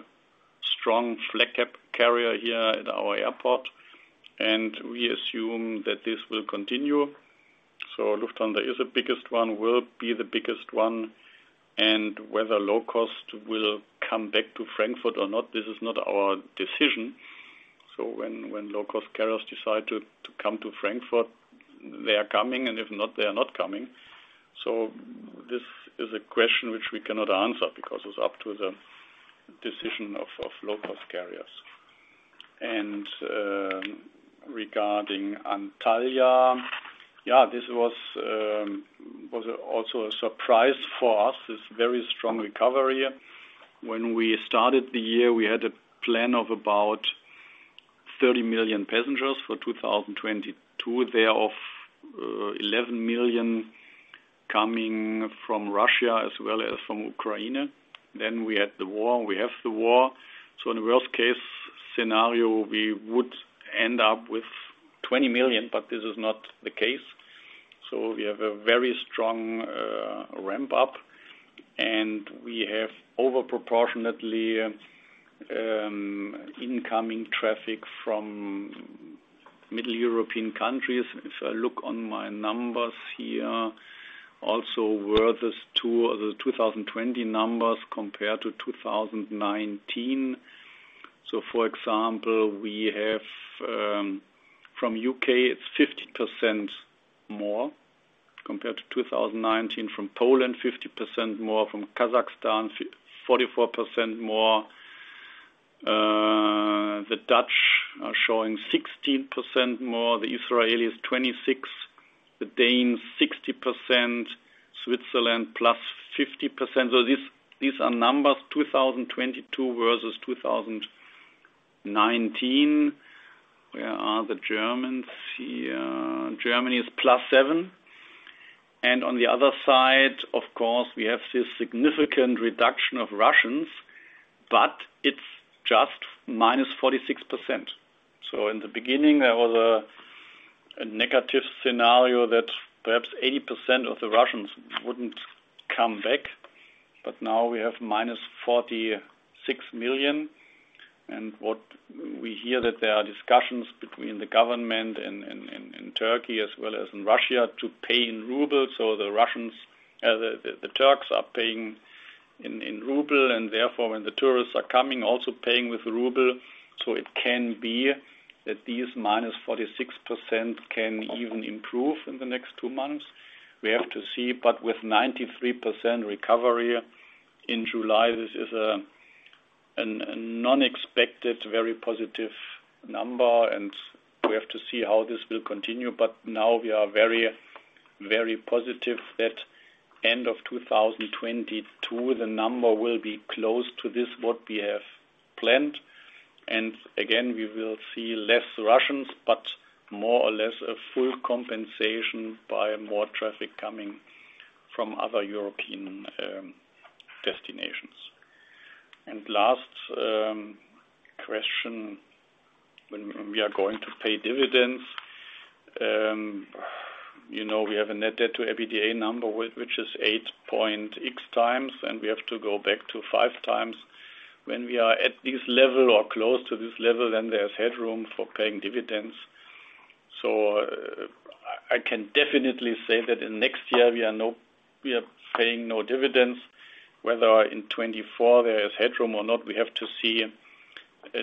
C: strong flag carrier here at our airport, and we assume that this will continue. Lufthansa is the biggest one, will be the biggest one. Whether low cost will come back to Frankfurt or not, this is not our decision. When low cost carriers decide to come to Frankfurt, they are coming, and if not, they are not coming. This is a question which we cannot answer because it's up to the decision of low cost carriers. Regarding Antalya, this was also a surprise for us, this very strong recovery. When we started the year, we had a plan of about 30 million passengers for 2022. They are of 11 million coming from Russia as well as from Ukraine. Then we had the war, and we have the war. In the worst case scenario, we would end up with 20 million, but this is not the case. We have a very strong ramp up, and we have disproportionately incoming traffic from Middle European countries. If I look at my numbers here, also versus 2020, the 2020 numbers compared to 2019. For example, we have from U.K., it's 50% more compared to 2019. From Poland, 50% more. From Kazakhstan, 44% more. The Dutch are showing 16% more. The Israelis, 26%. The Danes, 60%. Switzerland, +50%. These are numbers 2022 versus 2019. Where are the Germans here? Germany is +7%. On the other side, of course, we have this significant reduction of Russians, but it's just -46%. In the beginning, there was a negative scenario that perhaps 80% of the Russians wouldn't come back. But now we have -46 million. What we hear that there are discussions between the government in Turkey as well as in Russia to pay in rubles. The Russians, the Turks are paying in rubles and therefore, when the tourists are coming, also paying with rubles. It can be that these -46% can even improve in the next two months. We have to see, but with 93% recovery in July, this is an unexpected, very positive number, and we have to see how this will continue. Now we are very, very positive that end of 2022, the number will be close to this, what we have planned. We will see less Russians, but more or less a full compensation by more traffic coming from other European destinations. Last question, when we are going to pay dividends. You know, we have a net debt to EBITDA number which is 8.5x and we have to go back to 5x. When we are at this level or close to this level, then there's headroom for paying dividends. I can definitely say that in next year we are paying no dividends. Whether in 2024 there is headroom or not, we have to see,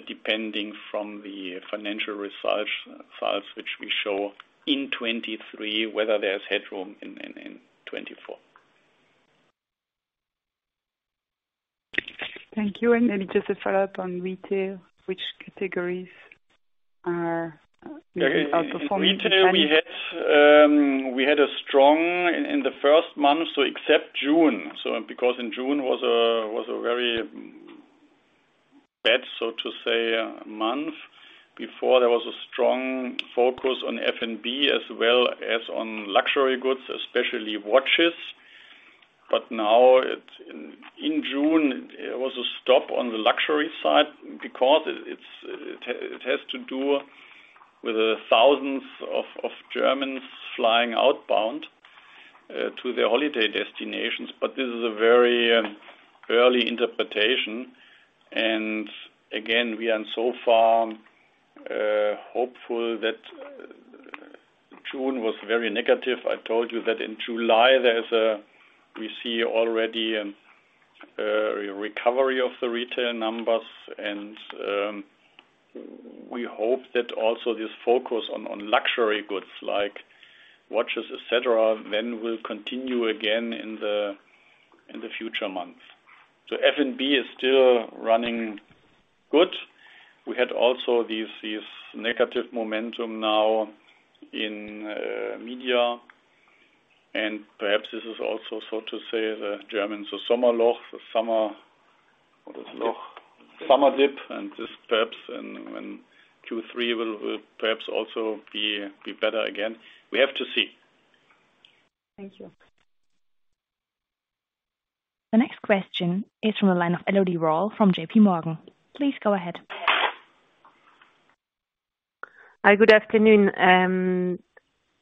C: depending on the financial results which we show in 2023, whether there's headroom in 2024.
E: Thank you. Maybe just a follow-up on retail. Which categories are performing better?
C: In retail, we had a strong in the first month, so except June. Because in June was a very bad, so to say, month. Before there was a strong focus on F&B as well as on luxury goods, especially watches. In June there was a stop on the luxury side because it has to do with the thousands of Germans flying outbound to their holiday destinations. This is a very early interpretation. Again, we are so far hopeful that June was very negative. I told you that in July we see already a recovery of the retail numbers. We hope that also this focus on luxury goods like watches, et cetera, then will continue again in the future months. F&B is still running good. We had also these negative momentum now in media. Perhaps this is also, so to say, the Germans, the summer dip, and this perhaps in Q3 will perhaps also be better again. We have to see.
E: Thank you.
A: The next question is from the line of Elodie Rall from JPMorgan Chase & Co. Please go ahead.
F: Hi, good afternoon.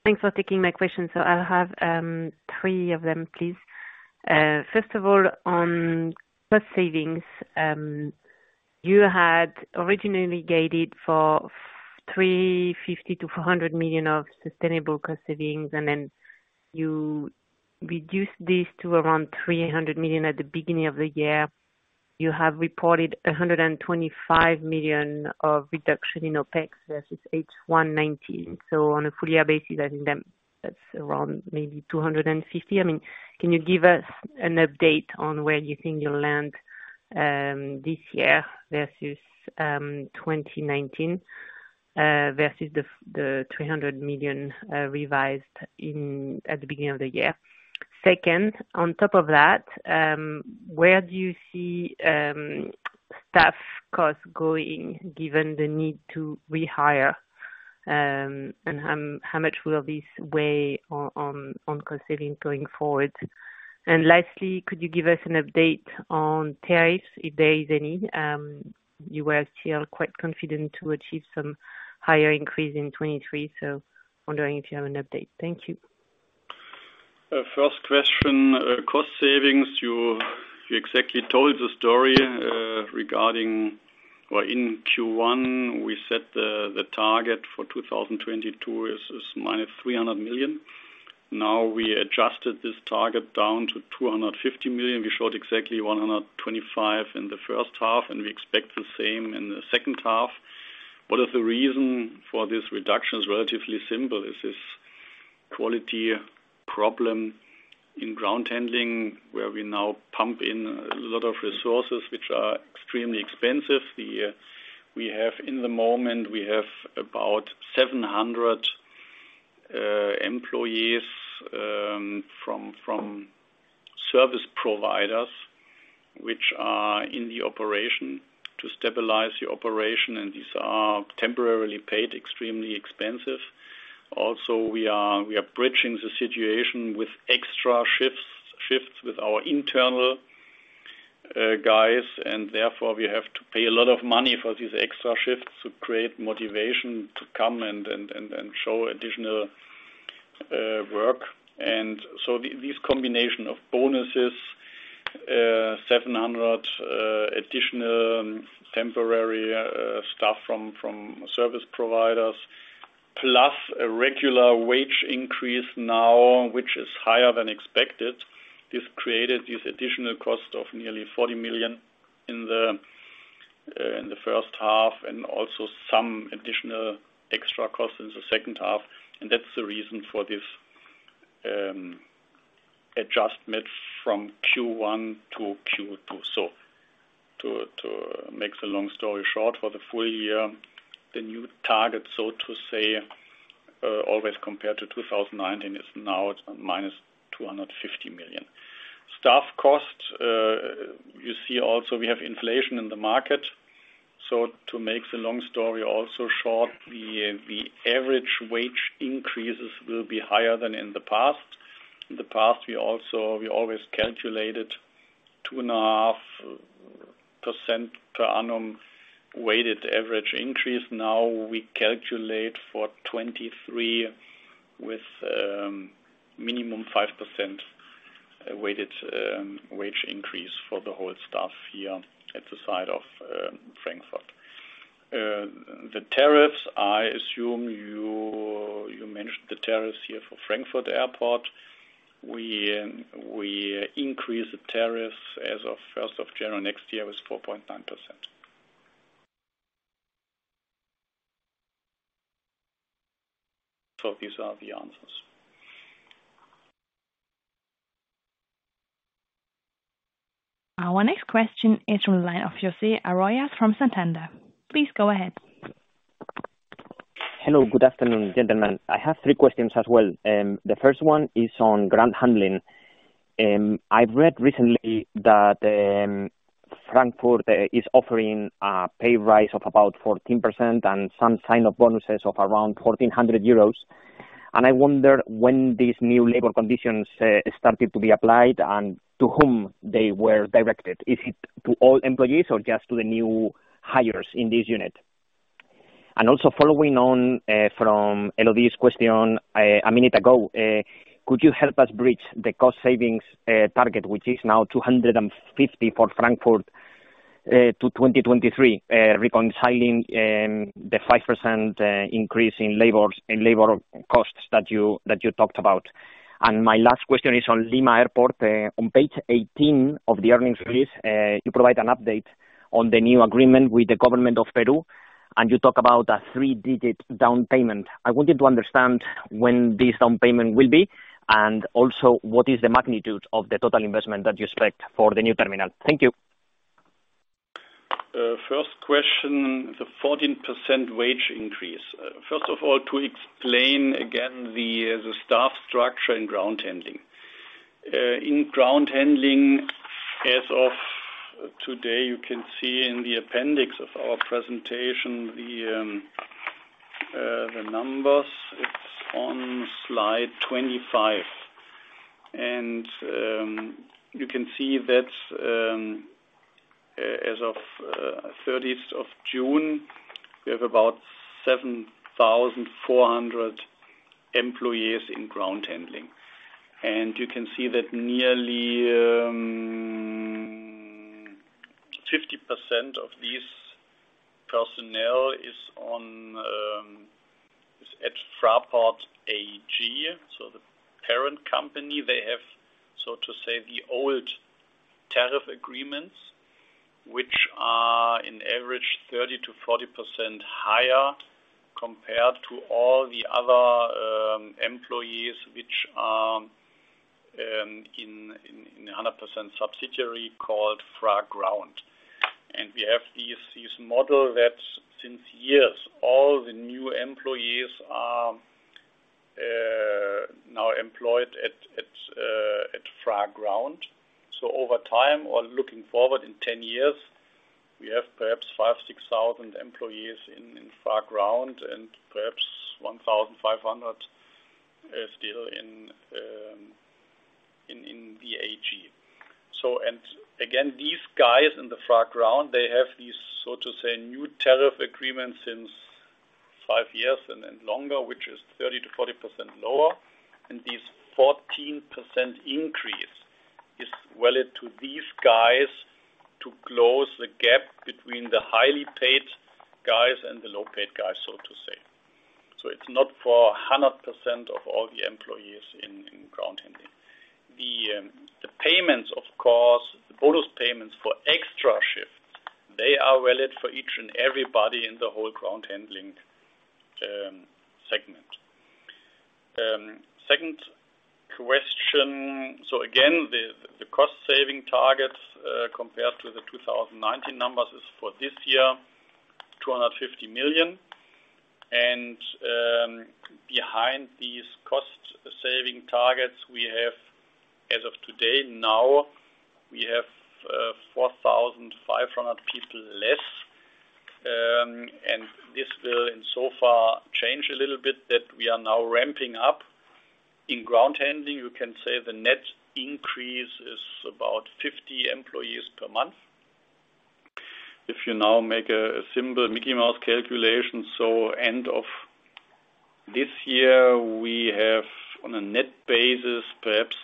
F: Thanks for taking my question. I'll have three of them, please. First of all, on cost savings, you had originally guided for 350 million-400 million of sustainable cost savings, and then you reduced this to around 300 million at the beginning of the year. You have reported 125 million of reduction in OpEx versus H1 2019. On a full year basis, I think that's around maybe 250 million. I mean, can you give us an update on where you think you'll land this year versus 2019 versus the 300 million revised at the beginning of the year? Second, on top of that, where do you see staff costs going given the need to rehire, and how much will this weigh on cost savings going forward? Lastly, could you give us an update on tariffs, if there is any? You were still quite confident to achieve some higher increase in 2023, so wondering if you have an update. Thank you.
C: First question, cost savings. You exactly told the story regarding or in Q1, we set the target for 2022 is -300 million. Now we adjusted this target down to 250 million. We showed exactly 125 million in the first half, and we expect the same in the second half. What is the reason for this reduction is relatively simple. It's this quality problem in ground handling, where we now pump in a lot of resources which are extremely expensive. We have in the moment, we have about 700 employees from service providers which are in the operation to stabilize the operation, and these are temporarily paid extremely expensive. We are bridging the situation with extra shifts with our internal guys, and therefore, we have to pay a lot of money for these extra shifts to create motivation to come and show additional work. These combination of bonuses, 700 additional temporary staff from service providers, plus a regular wage increase now, which is higher than expected, this created this additional cost of nearly 40 million in the first half and also some additional extra costs in the second half. That's the reason for this adjustment from Q1 to Q2. To make the long story short for the full year, the new target, so to say, always compared to 2019 is now its -250 million. Staff costs, you see also we have inflation in the market. To make the long story also short, the average wage increases will be higher than in the past. In the past, we always calculated 2.5% per annum weighted average increase. Now we calculate for 2023 with minimum 5% weighted wage increase for the whole staff here at the site of Frankfurt. The tariffs, I assume you mentioned the tariffs here for Frankfurt Airport. We increase the tariffs as of first of January next year with 4.9%. These are the answers.
A: Our next question is from the line of José Manuel Arroyas from Santander. Please go ahead.
G: Hello. Good afternoon, gentlemen. I have three questions as well. The first one is on ground handling. I've read recently that Frankfurt is offering a pay rise of about 14% and some sign-up bonuses of around 1,400 euros. I wonder when these new labor conditions started to be applied and to whom they were directed. Is it to all employees or just to the new hires in this unit? Following on from Elodie's question a minute ago, could you help us bridge the cost savings target, which is now 250 million for Frankfurt, to 2023, reconciling the 5% increase in labor costs that you talked about. My last question is on Lima Airport. On page 18 of the earnings release, you provide an update on the new agreement with the government of Peru, and you talk about a three-digit down payment. I wanted to understand when this down payment will be, and also, what is the magnitude of the total investment that you expect for the new terminal? Thank you.
C: First question, the 14% wage increase. First of all, to explain again the staff structure in ground handling. In ground handling, as of today, you can see in the appendix of our presentation the numbers. It's on slide 25. You can see that, as of thirtieth of June, we have about 7,400 employees in ground handling. You can see that nearly 50% of these personnel is at Fraport AG, so the parent company. They have, so to say, the old tariff agreements, which are on average 30%-40% higher compared to all the other employees which are in a 100% subsidiary called FraGround. We have this model that since years, all the new employees are now employed at FraGround. Over time or looking forward in 10 years, we have perhaps 5,000-6,000 employees in FraGround and perhaps 1,500 still in the AG. Again, these guys in FraGround, they have these, so to say, new tariff agreements since five years and longer, which is 30%-40% lower. This 14% increase is valid to these guys to close the gap between the highly paid guys and the low-paid guys, so to say. It's not for 100% of all the employees in ground handling. The payments, of course, the bonus payments for extra shifts, they are valid for each and everybody in the whole ground handling segment. Second question. Again, the cost-saving targets compared to the 2019 numbers is for this year, 250 million. Behind these cost-saving targets we have as of today four thousand five hundred people less. This will in so far change a little bit that we are now ramping up. In ground handling, you can say the net increase is about 50 employees per month. If you now make a simple Mickey Mouse calculation, end of this year we have on a net basis, perhaps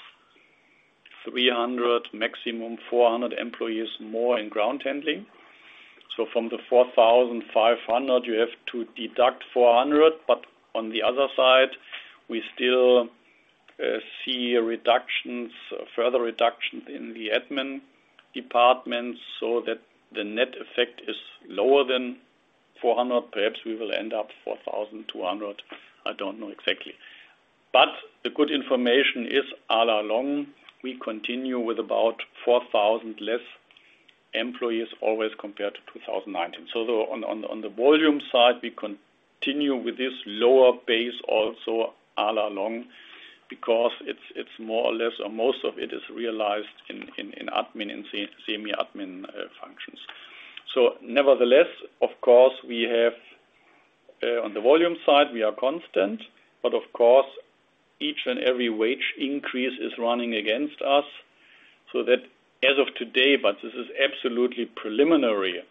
C: 300 maximum 400 employees more in ground handling. From the 4,500, you have to deduct 400, but on the other side, we still see reductions, further reductions in the admin departments so that the net effect is lower than 400. Perhaps we will end up 4,200, I don't know exactly. The good information is all along, we continue with about 4,000 less employees always compared to 2019. On the volume side, we continue with this lower base also all along because it's more or less, or most of it is realized in admin and semi-admin functions. Nevertheless, of course, we have on the volume side, we are constant, but of course, each and every wage increase is running against us. That as of today, but this is absolutely preliminary,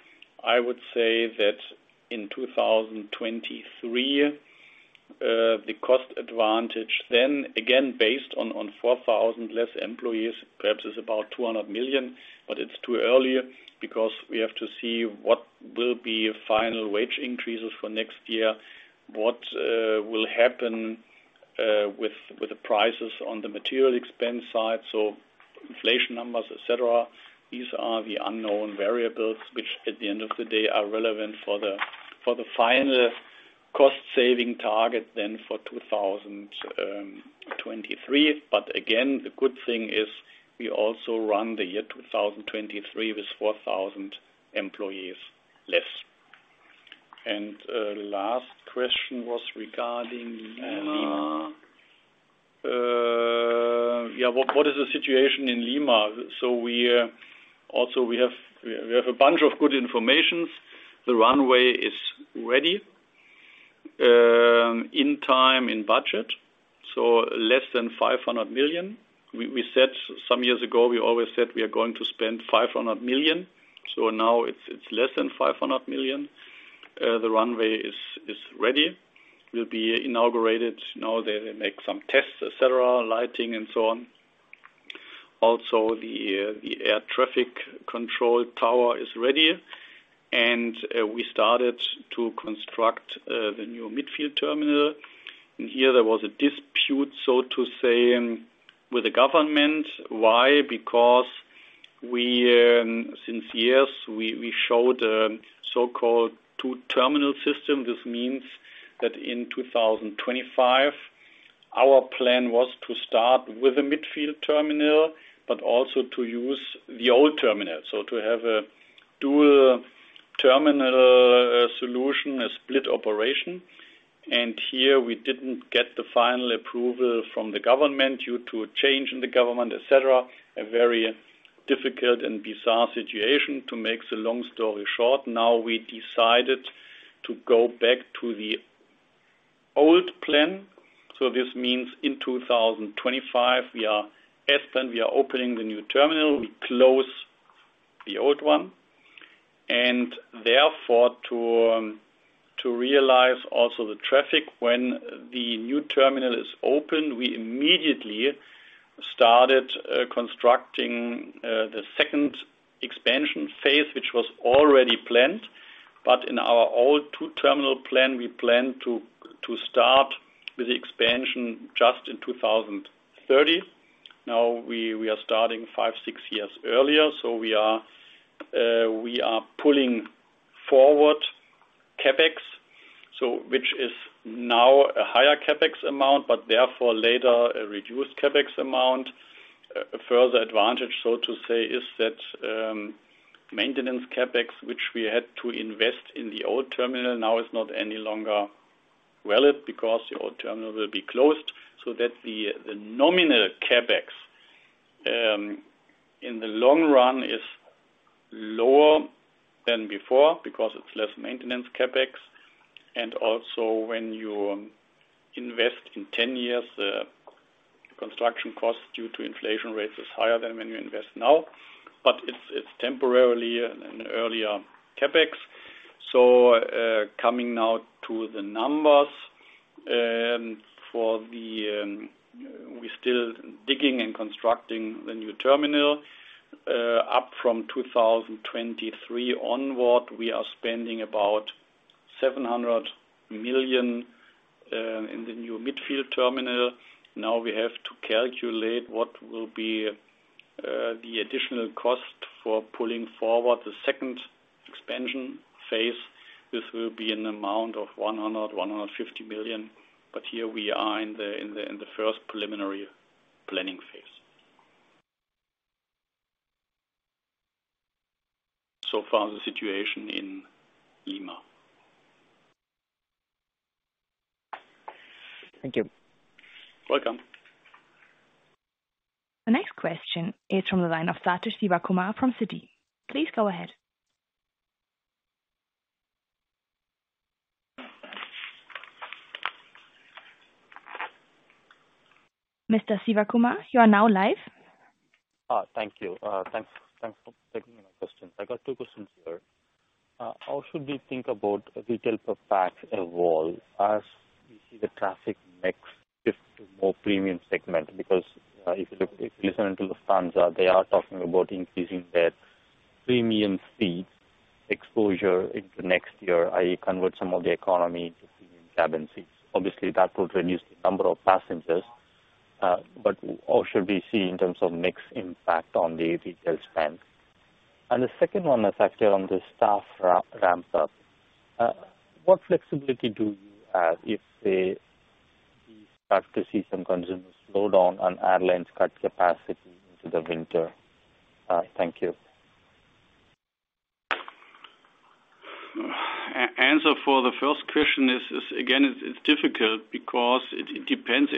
C: I would say that in 2023, the cost advantage then again, based on 4,000 less employees, perhaps is about 200 million, but it's too early because we have to see what will be final wage increases for next year. What will happen with the prices on the material expense side, so inflation numbers, et cetera. These are the unknown variables, which at the end of the day, are relevant for the final cost saving target then for 2023. But again, the good thing is we also run the year 2023 with 4,000 employees less. Last question was regarding Lima. Yeah, what is the situation in Lima? We also have a bunch of good information. The runway is ready, in time, in budget, so less than 500 million. We said some years ago, we always said we are going to spend 500 million, so now it's less than 500 million. The runway is ready. We'll be inaugurated. Now they make some tests, etc., lighting and so on. Also, the air traffic control tower is ready, and we started to construct the new midfield terminal. Here there was a dispute, so to say, with the government. Why? Because we, since years, we showed so-called two terminal system. This means that in 2025, our plan was to start with a midfield terminal, but also to use the old terminal. To have a dual terminal solution, a split operation. Here we didn't get the final approval from the government due to a change in the government, et cetera. A very difficult and bizarre situation. To make the long story short, now we decided to go back to the old plan. This means in 2025, we are, as planned, opening the new terminal. We close the old one. Therefore, to realize also the traffic when the new terminal is open, we immediately started constructing the second expansion phase, which was already planned. In our old two terminal plan, we planned to start with the expansion just in 2030. Now we are starting five, six years earlier. We are pulling forward CapEx, which is now a higher CapEx amount, but therefore later a reduced CapEx amount. A further advantage, so to say, is that maintenance CapEx, which we had to invest in the old terminal, now is not any longer valid because the old terminal will be closed. The nominal CapEx in the long run is lower than before because it's less maintenance CapEx. Also when you invest in 10 years, construction costs due to inflation rates is higher than when you invest now. It's temporarily an earlier CapEx. Coming now to the numbers. We're still digging and constructing the new terminal. Up from 2023 onward, we are spending about 700 million in the new midfield terminal. Now we have to calculate what will be the additional cost for pulling forward the second expansion phase. This will be an amount of 150 million. Here we are in the first preliminary planning phase. So far the situation in Lima.
G: Thank you.
C: Welcome.
A: The next question is from the line of Sathish Sivakumar from Citi. Please go ahead. Mr. Sivakumar, you are now live.
H: Thank you. Thanks for taking my questions. I got two questions here. How should we think about retail per pax evolve as we see the traffic mix shift to more premium segment? Because, if you look, if you listen to Lufthansa, they are talking about increasing their premium fleet exposure into next year, i.e. convert some of the economy to premium cabin seats. Obviously, that would reduce the number of passengers, but what should we see in terms of mix impact on the retail spend? The second one is actually on the staff ramp up. What flexibility do you have if, say, we start to see some consumer slowdown and airlines cut capacity into the winter? Thank you.
C: The answer for the first question is again, it's difficult because it depends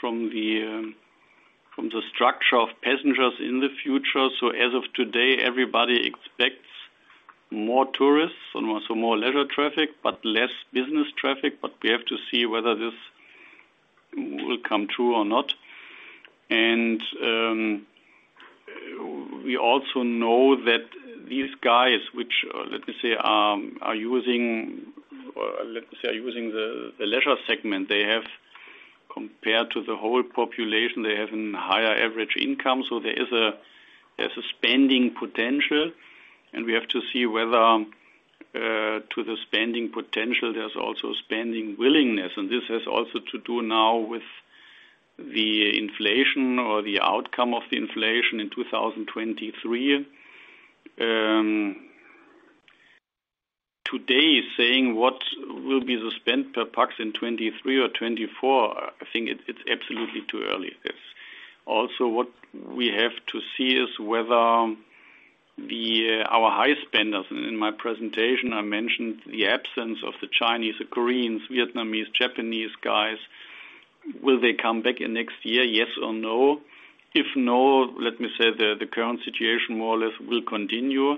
C: from the structure of passengers in the future. As of today, everybody expects more tourists, so more leisure traffic, but less business traffic. We have to see whether this will come true or not. We also know that these guys which are using the leisure segment. They have, compared to the whole population, they have a higher income, so there is a spending potential, and we have to see whether to the spending potential, there's also spending willingness. This has also to do now with the inflation or the outcome of the inflation in 2023. Today saying what will be the spend per pax in 2023 or 2024, I think it's absolutely too early. It's also what we have to see is whether our high spenders, in my presentation, I mentioned the absence of the Chinese, Koreans, Vietnamese, Japanese guys. Will they come back in next year, yes or no? If no, let me say the current situation more or less will continue.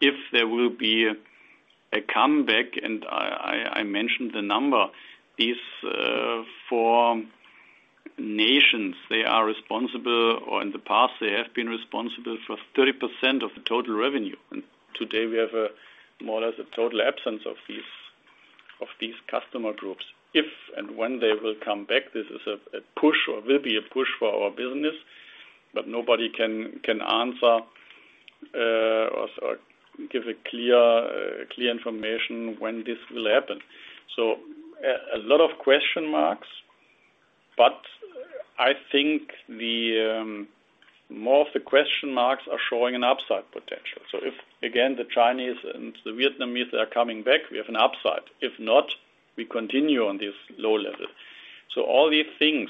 C: If there will be a comeback and I mentioned the number, these four nations, they are responsible, or in the past they have been responsible for 30% of the total revenue. Today we have a more or less a total absence of these customer groups. If and when they will come back, this is a push or will be a push for our business, but nobody can answer or give a clear information when this will happen. A lot of question marks, but I think the more of the question marks are showing an upside potential. If, again, the Chinese and the Vietnamese are coming back, we have an upside. If not, we continue on this low level. All these things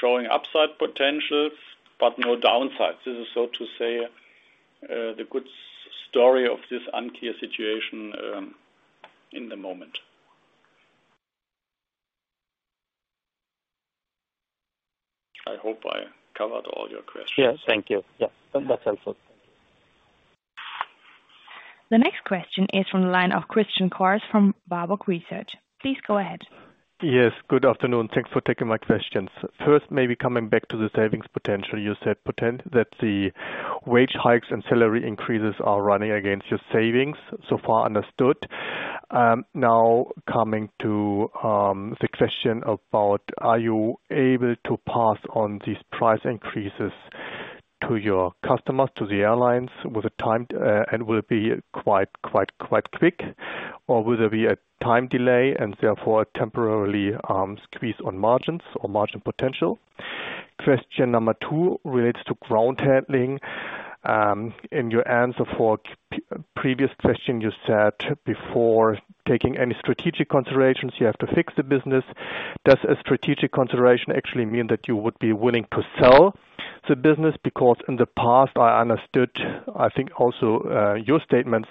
C: showing upside potentials, but no downsides. This is so to say the good story of this unclear situation in the moment. I hope I covered all your questions.
H: Yeah. Thank you. Yeah. That's helpful.
A: The next question is from the line of Christian Cohrs from Warburg Research. Please go ahead.
I: Yes, good afternoon. Thanks for taking my questions. First, maybe coming back to the savings potential. You said that the wage hikes and salary increases are running against your savings. So far understood. Now coming to the question about, are you able to pass on these price increases to your customers, to the airlines with the time, and will it be quite quick? Or will there be a time delay and therefore temporarily squeeze on margins or margin potential? Question number two relates to ground handling. In your answer for previous question, you said before taking any strategic considerations, you have to fix the business. Does a strategic consideration actually mean that you would be willing to sell the business? Because in the past, I understood, I think also, your statements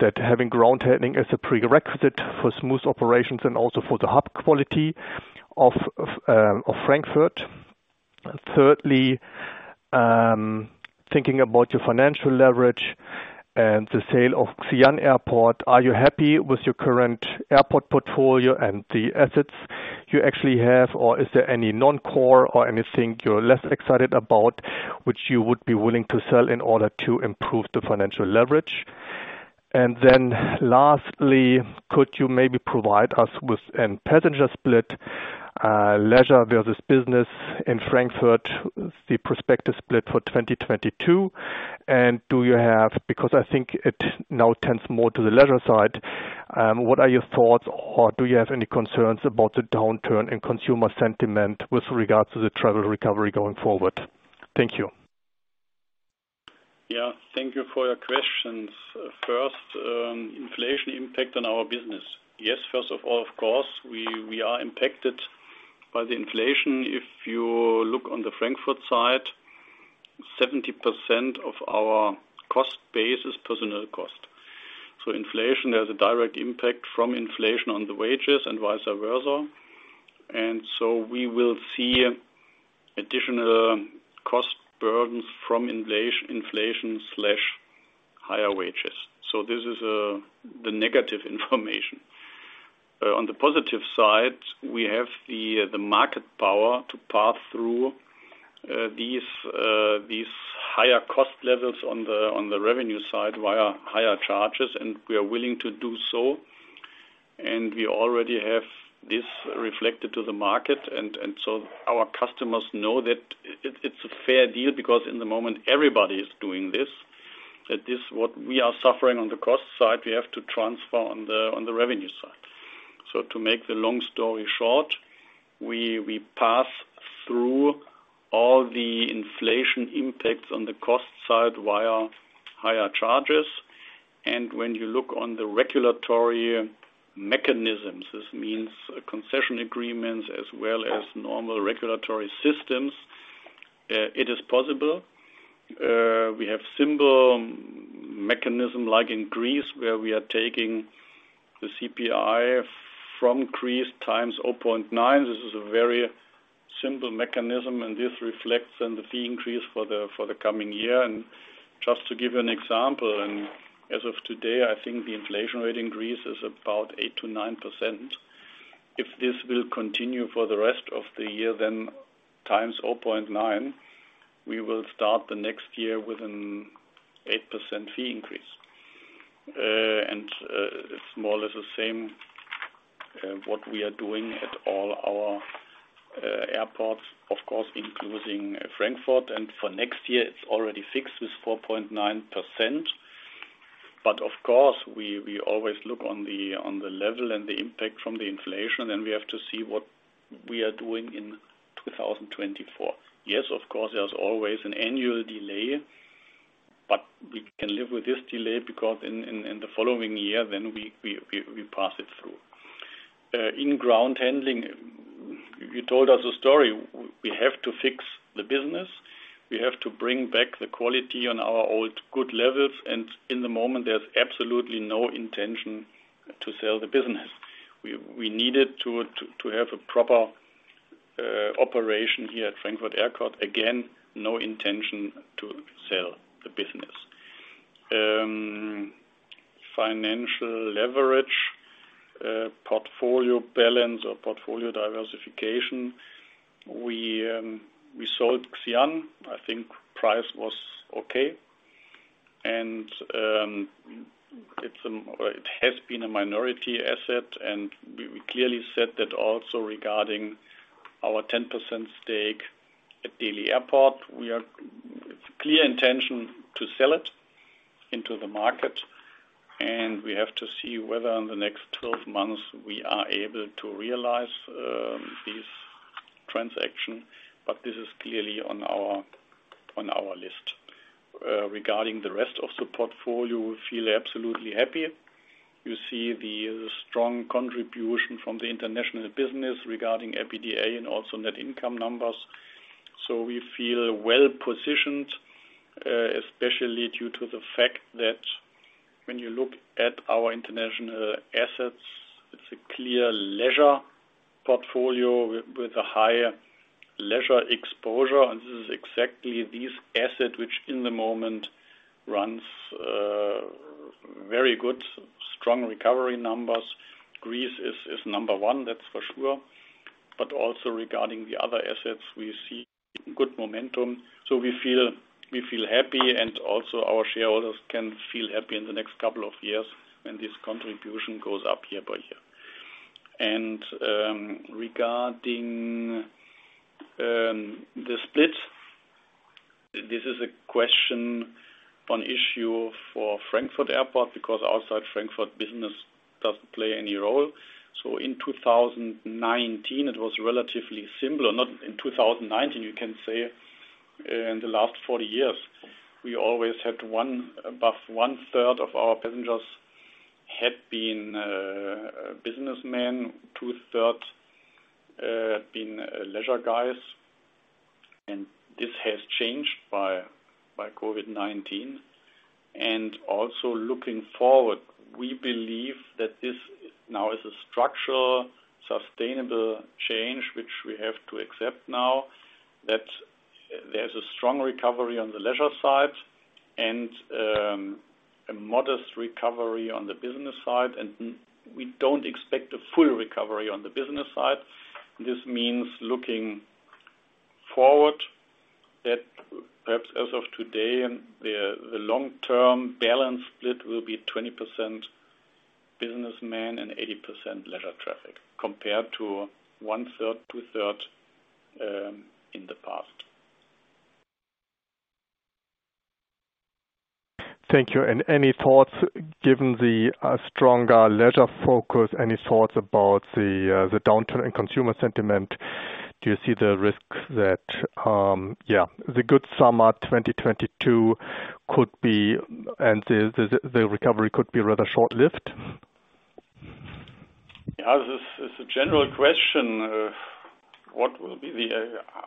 I: that having ground handling as a prerequisite for smooth operations and also for the hub quality of Frankfurt. Thirdly, thinking about your financial leverage and the sale of Xi'an Airport, are you happy with your current airport portfolio and the assets you actually have, or is there any non-core or anything you're less excited about which you would be willing to sell in order to improve the financial leverage? And then lastly, could you maybe provide us with a passenger split, leisure versus business in Frankfurt, the prospective split for 2022? And do you have concerns about the downturn in consumer sentiment with regards to the travel recovery going forward? Thank you.
C: Yeah. Thank you for your questions. First, inflation impact on our business. Yes, first of all, of course, we are impacted by the inflation, if you look on the Frankfurt side, 70% of our cost base is personnel cost. Inflation has a direct impact from inflation on the wages and vice versa. We will see additional cost burdens from inflation, higher wages. This is the negative information. On the positive side, we have the market power to pass through these higher cost levels on the revenue side via higher charges, and we are willing to do so. We already have this reflected to the market. Our customers know that it's a fair deal because in the moment everybody is doing this. That is what we are suffering on the cost side, we have to transfer on the revenue side. To make the long story short, we pass through all the inflation impacts on the cost side via higher charges. When you look on the regulatory mechanisms, this means concession agreements as well as normal regulatory systems, it is possible. We have simple mechanism like in Greece, where we are taking the CPI from Greece is 0.9x This is a very simple mechanism, and this reflects on the fee increase for the coming year. Just to give you an example, as of today, I think the inflation rate in Greece is about 8%-9%. If this will continue for the rest of the year, then 0.9x, we will start the next year with an 8% fee increase. It's more or less the same, what we are doing at all our airports, of course, including Frankfurt. For next year, it's already fixed with 4.9%. Of course, we always look on the level and the impact from the inflation, and we have to see what we are doing in 2024. Yes, of course, there's always an annual delay, but we can live with this delay because in the following year then we pass it through. In ground handling, you told us a story. We have to fix the business. We have to bring back the quality on our old good levels. In the moment, there's absolutely no intention to sell the business. We needed to have a proper operation here at Frankfurt Airport. Again, no intention to sell the business. Financial leverage, portfolio balance or portfolio diversification, we sold Xi'an. I think price was okay. It has been a minority asset, and we clearly said that also regarding our 10% stake at Delhi Airport. It's a clear intention to sell it into the market, and we have to see whether in the next 12 months we are able to realize this transaction. This is clearly on our list. Regarding the rest of the portfolio, we feel absolutely happy. You see the strong contribution from the international business regarding EBITDA and also net income numbers. We feel well-positioned, especially due to the fact that when you look at our international assets, it's a clear leisure portfolio with a higher leisure exposure. This is exactly this asset which in the moment runs very good, strong recovery numbers. Greece is number one, that's for sure. Also regarding the other assets, we see good momentum. We feel happy and also our shareholders can feel happy in the next couple of years when this contribution goes up year by year. Regarding the split, this is a question or issue for Frankfurt Airport because outside Frankfurt, business doesn't play any role. In 2019, it was relatively similar. Not in 2019, you can say in the last 40 years. We always had about one-third of our passengers had been businessmen, two-thirds had been leisure guys. This has changed by COVID-19. Also looking forward, we believe that this now is a structural, sustainable change, which we have to accept now, that there's a strong recovery on the leisure side and a modest recovery on the business side. We don't expect a full recovery on the business side. This means looking forward that perhaps as of today and the long-term balance split will be 20% businessman and 80% leisure traffic compared to 1/3, 2/3 in the past.
I: Thank you. Any thoughts, given the stronger leisure focus, any thoughts about the downturn in consumer sentiment? Do you see the risk that the good summer 2022 could be and the recovery could be rather short-lived?
C: Yeah, this is a general question of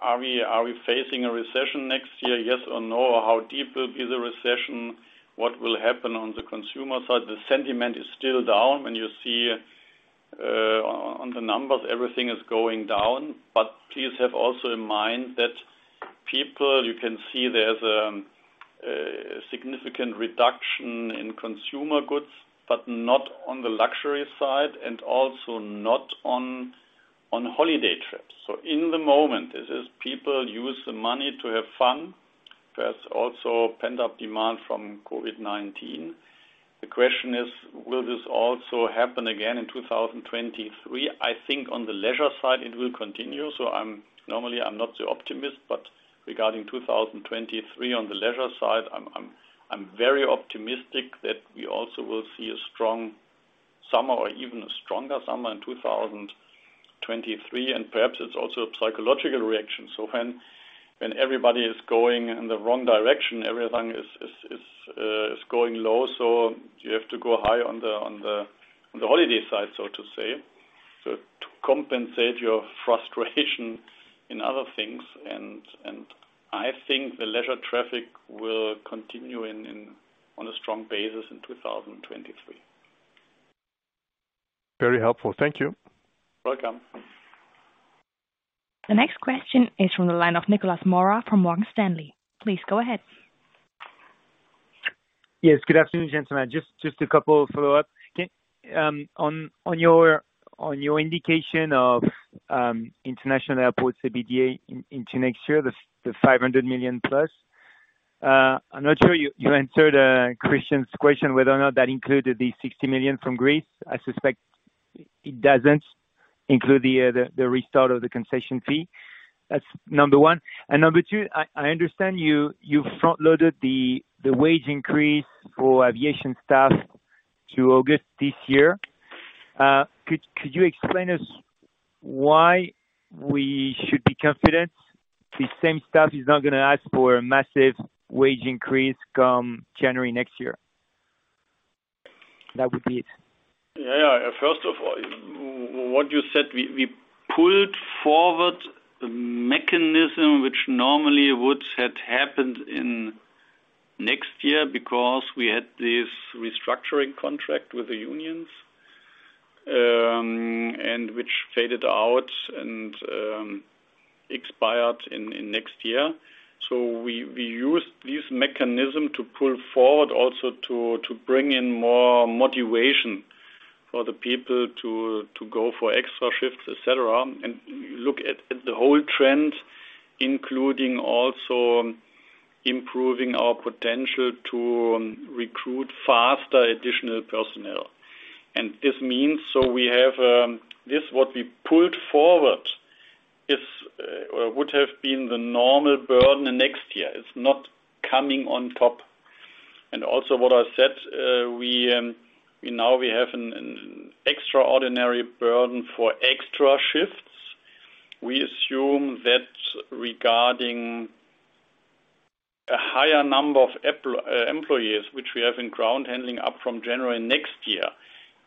C: are we facing a recession next year, yes or no? How deep will be the recession? What will happen on the consumer side? The sentiment is still down. When you see on the numbers, everything is going down. But please have also in mind that people, you can see there's a significant reduction in consumer goods, but not on the luxury side and also not on holiday trips. In the moment, it is people use the money to have fun. There's also pent-up demand from COVID-19. The question is, will this also happen again in 2023? I think on the leisure side it will continue. I'm normally not so optimistic, but regarding 2023 on the leisure side, I'm very optimistic that we also will see a strong summer or even a stronger summer in 2023. Perhaps it's also a psychological reaction. When everybody is going in the wrong direction, everything is going low, so you have to go high on the holiday side, so to say, so to compensate your frustration in other things. I think the leisure traffic will continue on a strong basis in 2023.
I: Very helpful. Thank you.
C: Welcome.
A: The next question is from the line of Nicolas Mora from Morgan Stanley. Please go ahead.
J: Yes. Good afternoon, gentlemen. Just a couple follow-up. Can on your indication of international airports, the EBITDA into next year, the 500 million+, I'm not sure you answered Christian's question whether or not that included the 60 million from Greece. I suspect it doesn't include the restart of the concession fee. That's number one. Number two, I understand you front loaded the wage increase for aviation staff to August this year. Could you explain us why we should be confident the same staff is not gonna ask for a massive wage increase come January next year? That would be it.
C: Yeah. First of all, what you said, we pulled forward a mechanism which normally would had happened in next year because we had this restructuring contract with the unions, and which faded out and expired in next year. We used this mechanism to pull forward also to bring in more motivation for the people to go for extra shifts, et cetera, and look at the whole trend, including also improving our potential to recruit faster additional personnel. This means, we have this what we pulled forward is would have been the normal burden next year. It's not coming on top. What I said, we now have an extraordinary burden for extra shifts. We assume that regarding a higher number of employees, which we have in ground handling up from January next year,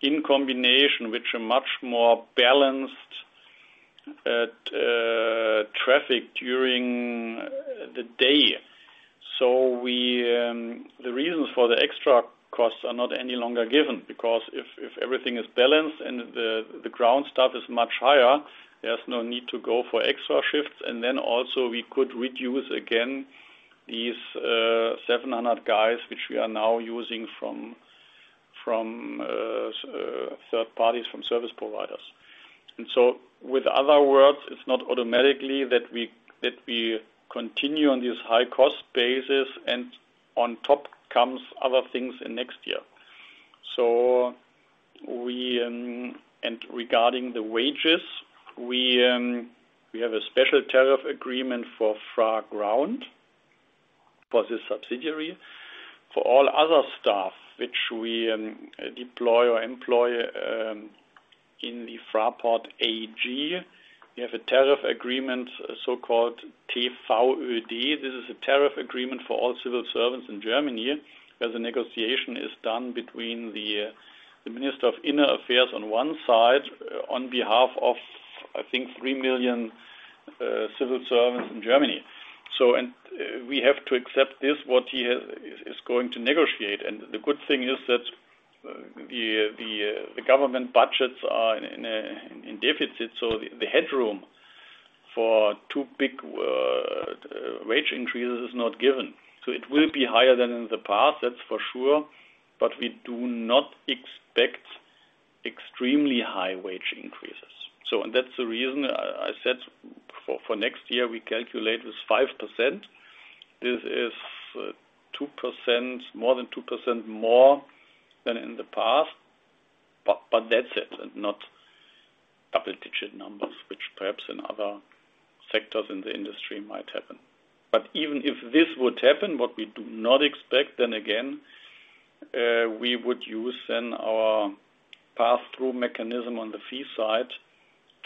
C: in combination with a much more balanced traffic during the day. The reasons for the extra costs are not any longer given because if everything is balanced and the ground staff is much higher, there's no need to go for extra shifts. Then also we could reduce again these 700 guys, which we are now using from third parties, from service providers. In other words, it's not automatically that we continue on this high cost basis and on top comes other things in next year. Regarding the wages, we have a special tariff agreement for FraGround, for the subsidiary. For all other staff, which we deploy or employ in the Fraport AG, we have a tariff agreement, so-called TVÖD. This is a tariff agreement for all civil servants in Germany, where the negotiation is done between the Minister of Inner Affairs on one side, on behalf of, I think, 3 million civil servants in Germany. We have to accept this, what he is going to negotiate. The good thing is that the government budgets are in deficit, so the headroom for too big wage increases is not given. It will be higher than in the past, that's for sure, but we do not expect extremely high wage increases. That's the reason I said for next year, we calculate is 5%. This is 2%, more than 2% more than in the past, but that's it, and not double-digit numbers, which perhaps in other sectors in the industry might happen. Even if this would happen, what we do not expect, then again, we would use then our pass-through mechanism on the fee side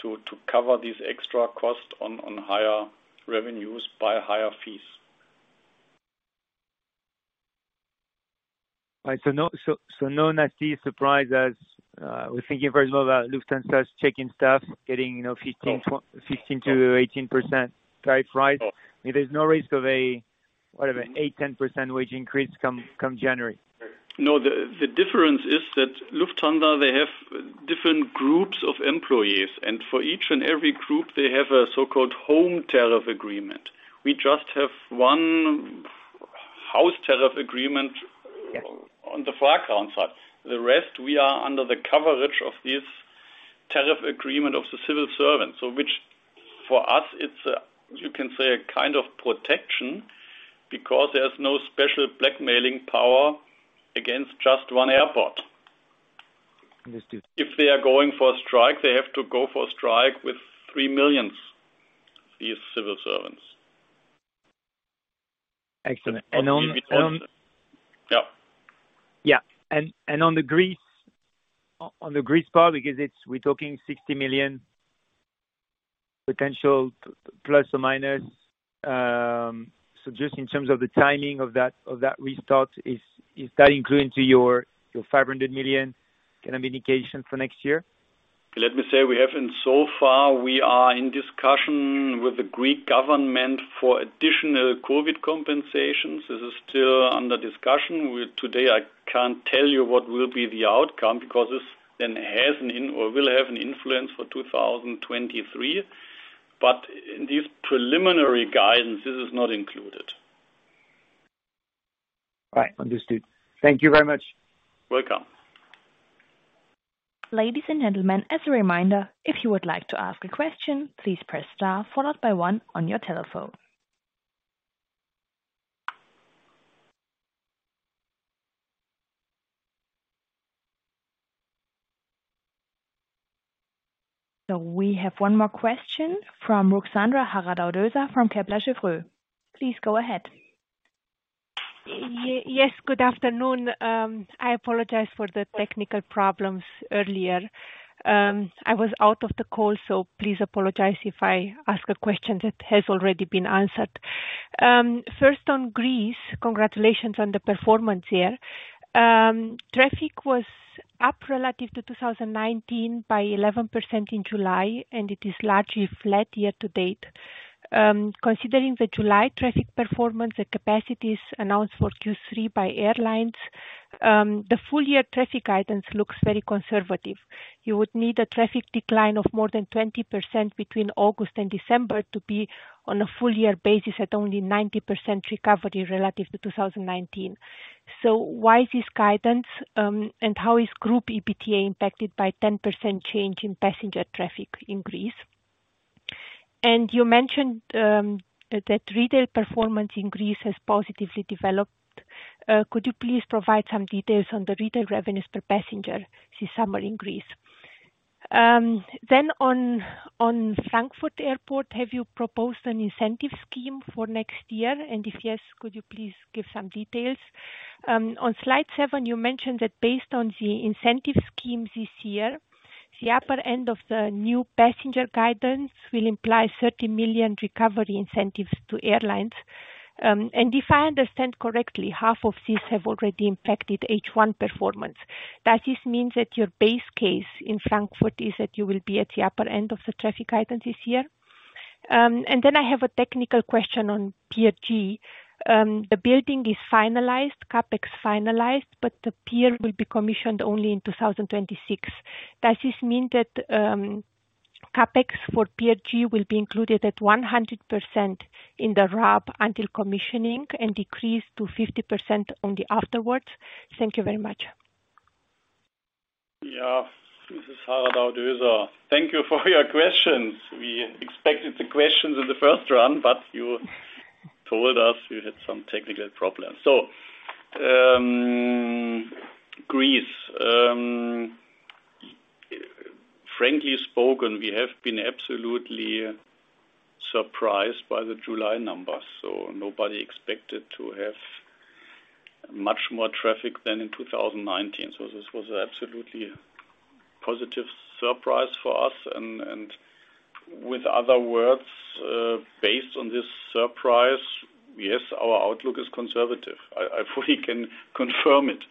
C: to cover these extra costs on higher revenues by higher fees.
J: No nasty surprise as we're thinking very well about Lufthansa's check-in staff getting, you know, 15%-18% type rise. There's no risk of a, what, 8%-10% wage increase come January?
C: No. The difference is that Lufthansa, they have different groups of employees, and for each and every group, they have a so-called home tariff agreement. We just have one house tariff agreement on the FraGround side. The rest, we are under the coverage of this tariff agreement of the civil servants. Which for us, it's a, you can say, a kind of protection because there's no special bargaining power against just one airport.
J: Understood.
C: If they are going for a strike, they have to go for a strike with three million, these civil servants.
J: Excellent.
C: Yeah.
J: Yeah. On the Greece part, because we're talking 60 million potential plus or minus. Just in terms of the timing of that restart, is that included into your 500 million kind of indication for next year?
C: Let me say we haven't so far. We are in discussion with the Greek government for additional COVID compensations. This is still under discussion. Today, I can't tell you what will be the outcome because this then has an impact or will have an influence for 2023. In this preliminary guidance, this is not included.
J: Right. Understood. Thank you very much.
C: Welcome.
A: Ladies and gentlemen, as a reminder, if you would like to ask a question, please press star followed by one on your telephone. We have one more question from Ruxandra Haradau-Döser from Kepler Cheuvreux. Please go ahead.
K: Yes, good afternoon. I apologize for the technical problems earlier. I was out of the call, so please apologize if I ask a question that has already been answered. First on Greece, congratulations on the performance here. Traffic was up relative to 2019 by 11% in July, and it is largely flat year to date. Considering the July traffic performance, the capacities announced for Q3 by airlines, the full-year traffic guidance looks very conservative. You would need a traffic decline of more than 20% between August and December to be on a full year basis at only 90% recovery relative to 2019. Why this guidance, and how is group EBITDA impacted by 10% change in passenger traffic increase? And you mentioned that retail performance increase has positively developed. Could you please provide some details on the retail revenues per passenger this summer in Greece? On Frankfurt Airport, have you proposed an incentive scheme for next year? If yes, could you please give some details? On slide seven, you mentioned that based on the incentive scheme this year, the upper end of the new passenger guidance will imply 30 million recovery incentives to airlines. If I understand correctly, half of these have already impacted H1 performance. Does this mean that your base case in Frankfurt is that you will be at the upper end of the traffic items this year? I have a technical question on PRG. The building is finalized, CapEx finalized, but the pier will be commissioned only in 2026. Does this mean that, CapEx for PRG will be included at 100% in the RAB until commissioning and decrease to 50% only afterwards? Thank you very much.
C: Yeah. Haradau-Döser. Thank you for your questions. We expected the questions in the first round, but you told us you had some technical problems. Greece, frankly spoken, we have been absolutely surprised by the July numbers. Nobody expected to have much more traffic than in 2019. This was absolutely positive surprise for us and with other words, based on this surprise, yes, our outlook is conservative. I fully can confirm it.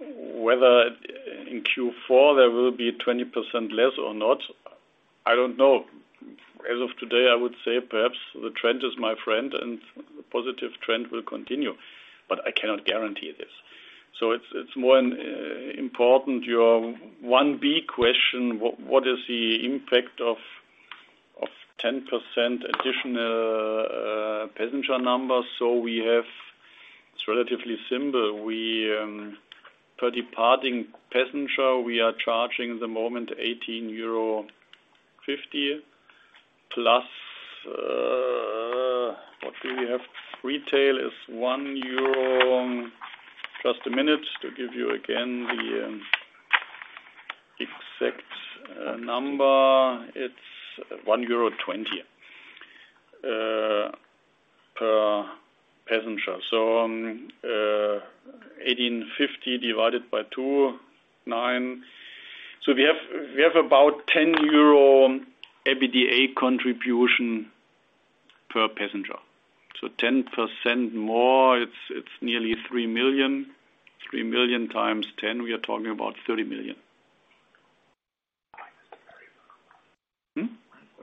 C: Whether in Q4 there will be 20% less or not, I don't know. As of today, I would say perhaps the trend is my friend and the positive trend will continue, but I cannot guarantee this. It's more important, your one big question, what is the impact of 10% additional passenger numbers? We have. It's relatively simple. We per departing passenger are charging at the moment 18.50+ euro what do we have. Retail is 1 euro. Just a minute to give you again the exact number. It's 1.20 euro per passenger. 18.50 divided by 2.9. We have about 10 euro EBITDA contribution per passenger. 10% more, it's nearly 3 million. 3 million times 10, we are talking about 30 million.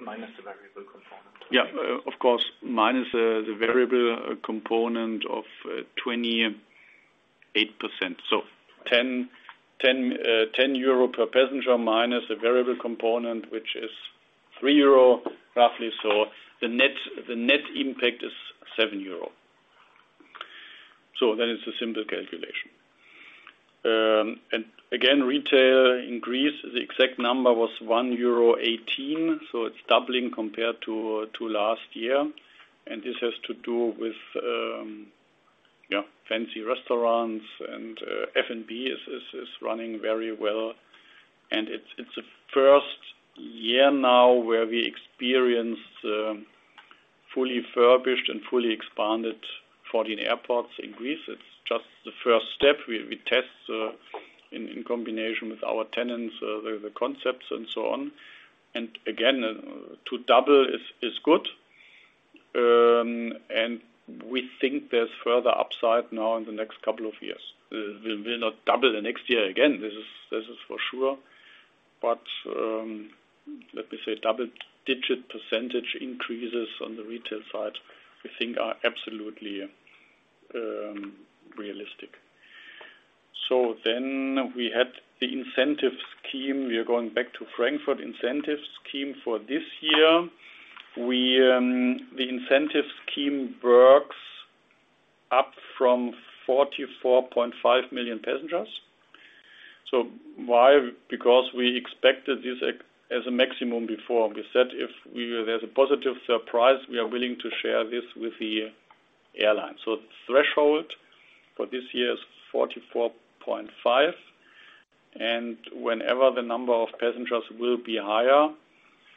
K: Minus the variable component.
C: Hmm?
K: Minus the variable component.
C: Yeah. Of course, minus the variable component of 28%. 10 per passenger minus the variable component, which is 3 euro roughly. The net impact is 7 euro. That is a simple calculation. Again, retail increase, the exact number was 1.18 euro. It's doubling compared to last year. This has to do with fancy restaurants and F&B is running very well. It's the first year now where we experienced fully furnished and fully expanded 14 airports in Greece. It's just the first step. We test in combination with our tenants the concepts and so on. Again, to double is good. We think there's further upside now in the next couple of years. We'll not double the next year again, this is for sure. Let me say double digit percentage increases on the retail side we think are absolutely realistic. We had the incentive scheme. We are going back to Frankfurt incentive scheme for this year. The incentive scheme works up from 44.5 million passengers. Why? Because we expected this as a maximum before. We said there's a positive surprise, we are willing to share this with the airline. The threshold for this year is 44.5. Whenever the number of passengers will be higher,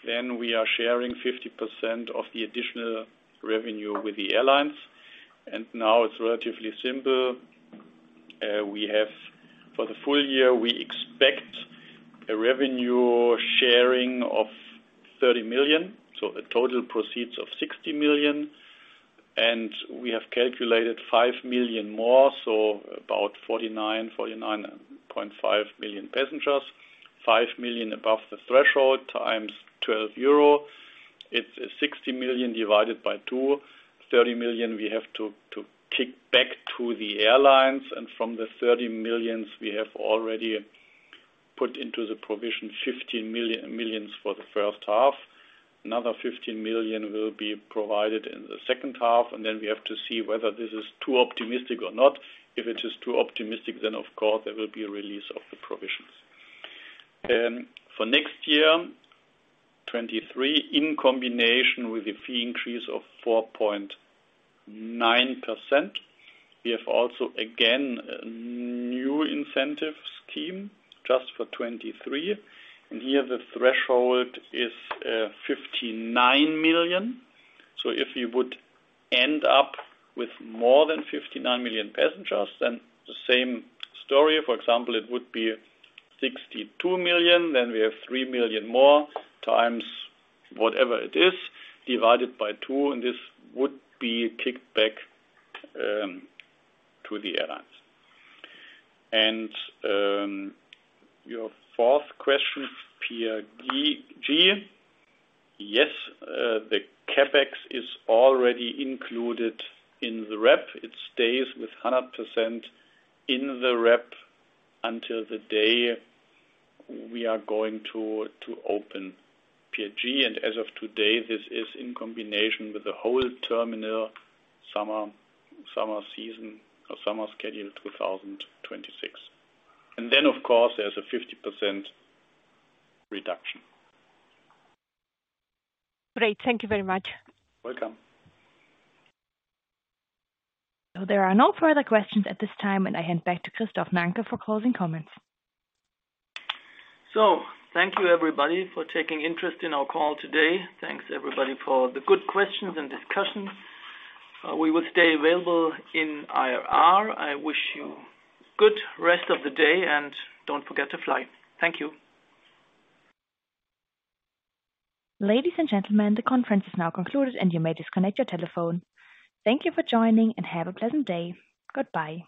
C: then we are sharing 50% of the additional revenue with the airlines. Now it's relatively simple. We have for the full year, we expect a revenue sharing of 30 million, so a total proceeds of 60 million. We have calculated 5 million more, so about 49.5 million passengers. 5 million above the threshold times 12 euro. It's 60 million divided by two. 30 million we have to kick back to the airlines. From the 30 million we have already put into the provision 15 million for the first half. Another 15 million will be provided in the second half, and then we have to see whether this is too optimistic or not. If it is too optimistic, then of course there will be a release of the provisions. For next year, 2023, in combination with a fee increase of 4.9%, we have also again a new incentive scheme just for 2023. Here the threshold is 59 million. If you would end up with more than 59 million passengers, then the same story. For example, it would be 62 million, then we have 3 million more times whatever it is, divided by two, and this would be kicked back to the airlines. Your fourth question, PRG. Yes, the CapEx is already included in the REP. It stays with 100% in the REP until the day we are going to open PRG. As of today, this is in combination with the whole terminal summer season or summer schedule 2026. Then of course there's a 50% reduction.
K: Great. Thank you very much.
C: Welcome.
A: There are no further questions at this time, and I hand back to Christoph Nanke for closing comments.
B: Thank you everybody for taking interest in our call today. Thanks everybody for the good questions and discussions. We will stay available in IR. I wish you good rest of the day and don't forget to fly. Thank you.
A: Ladies and gentlemen, the conference is now concluded and you may disconnect your telephone. Thank you for joining, and have a pleasant day. Goodbye.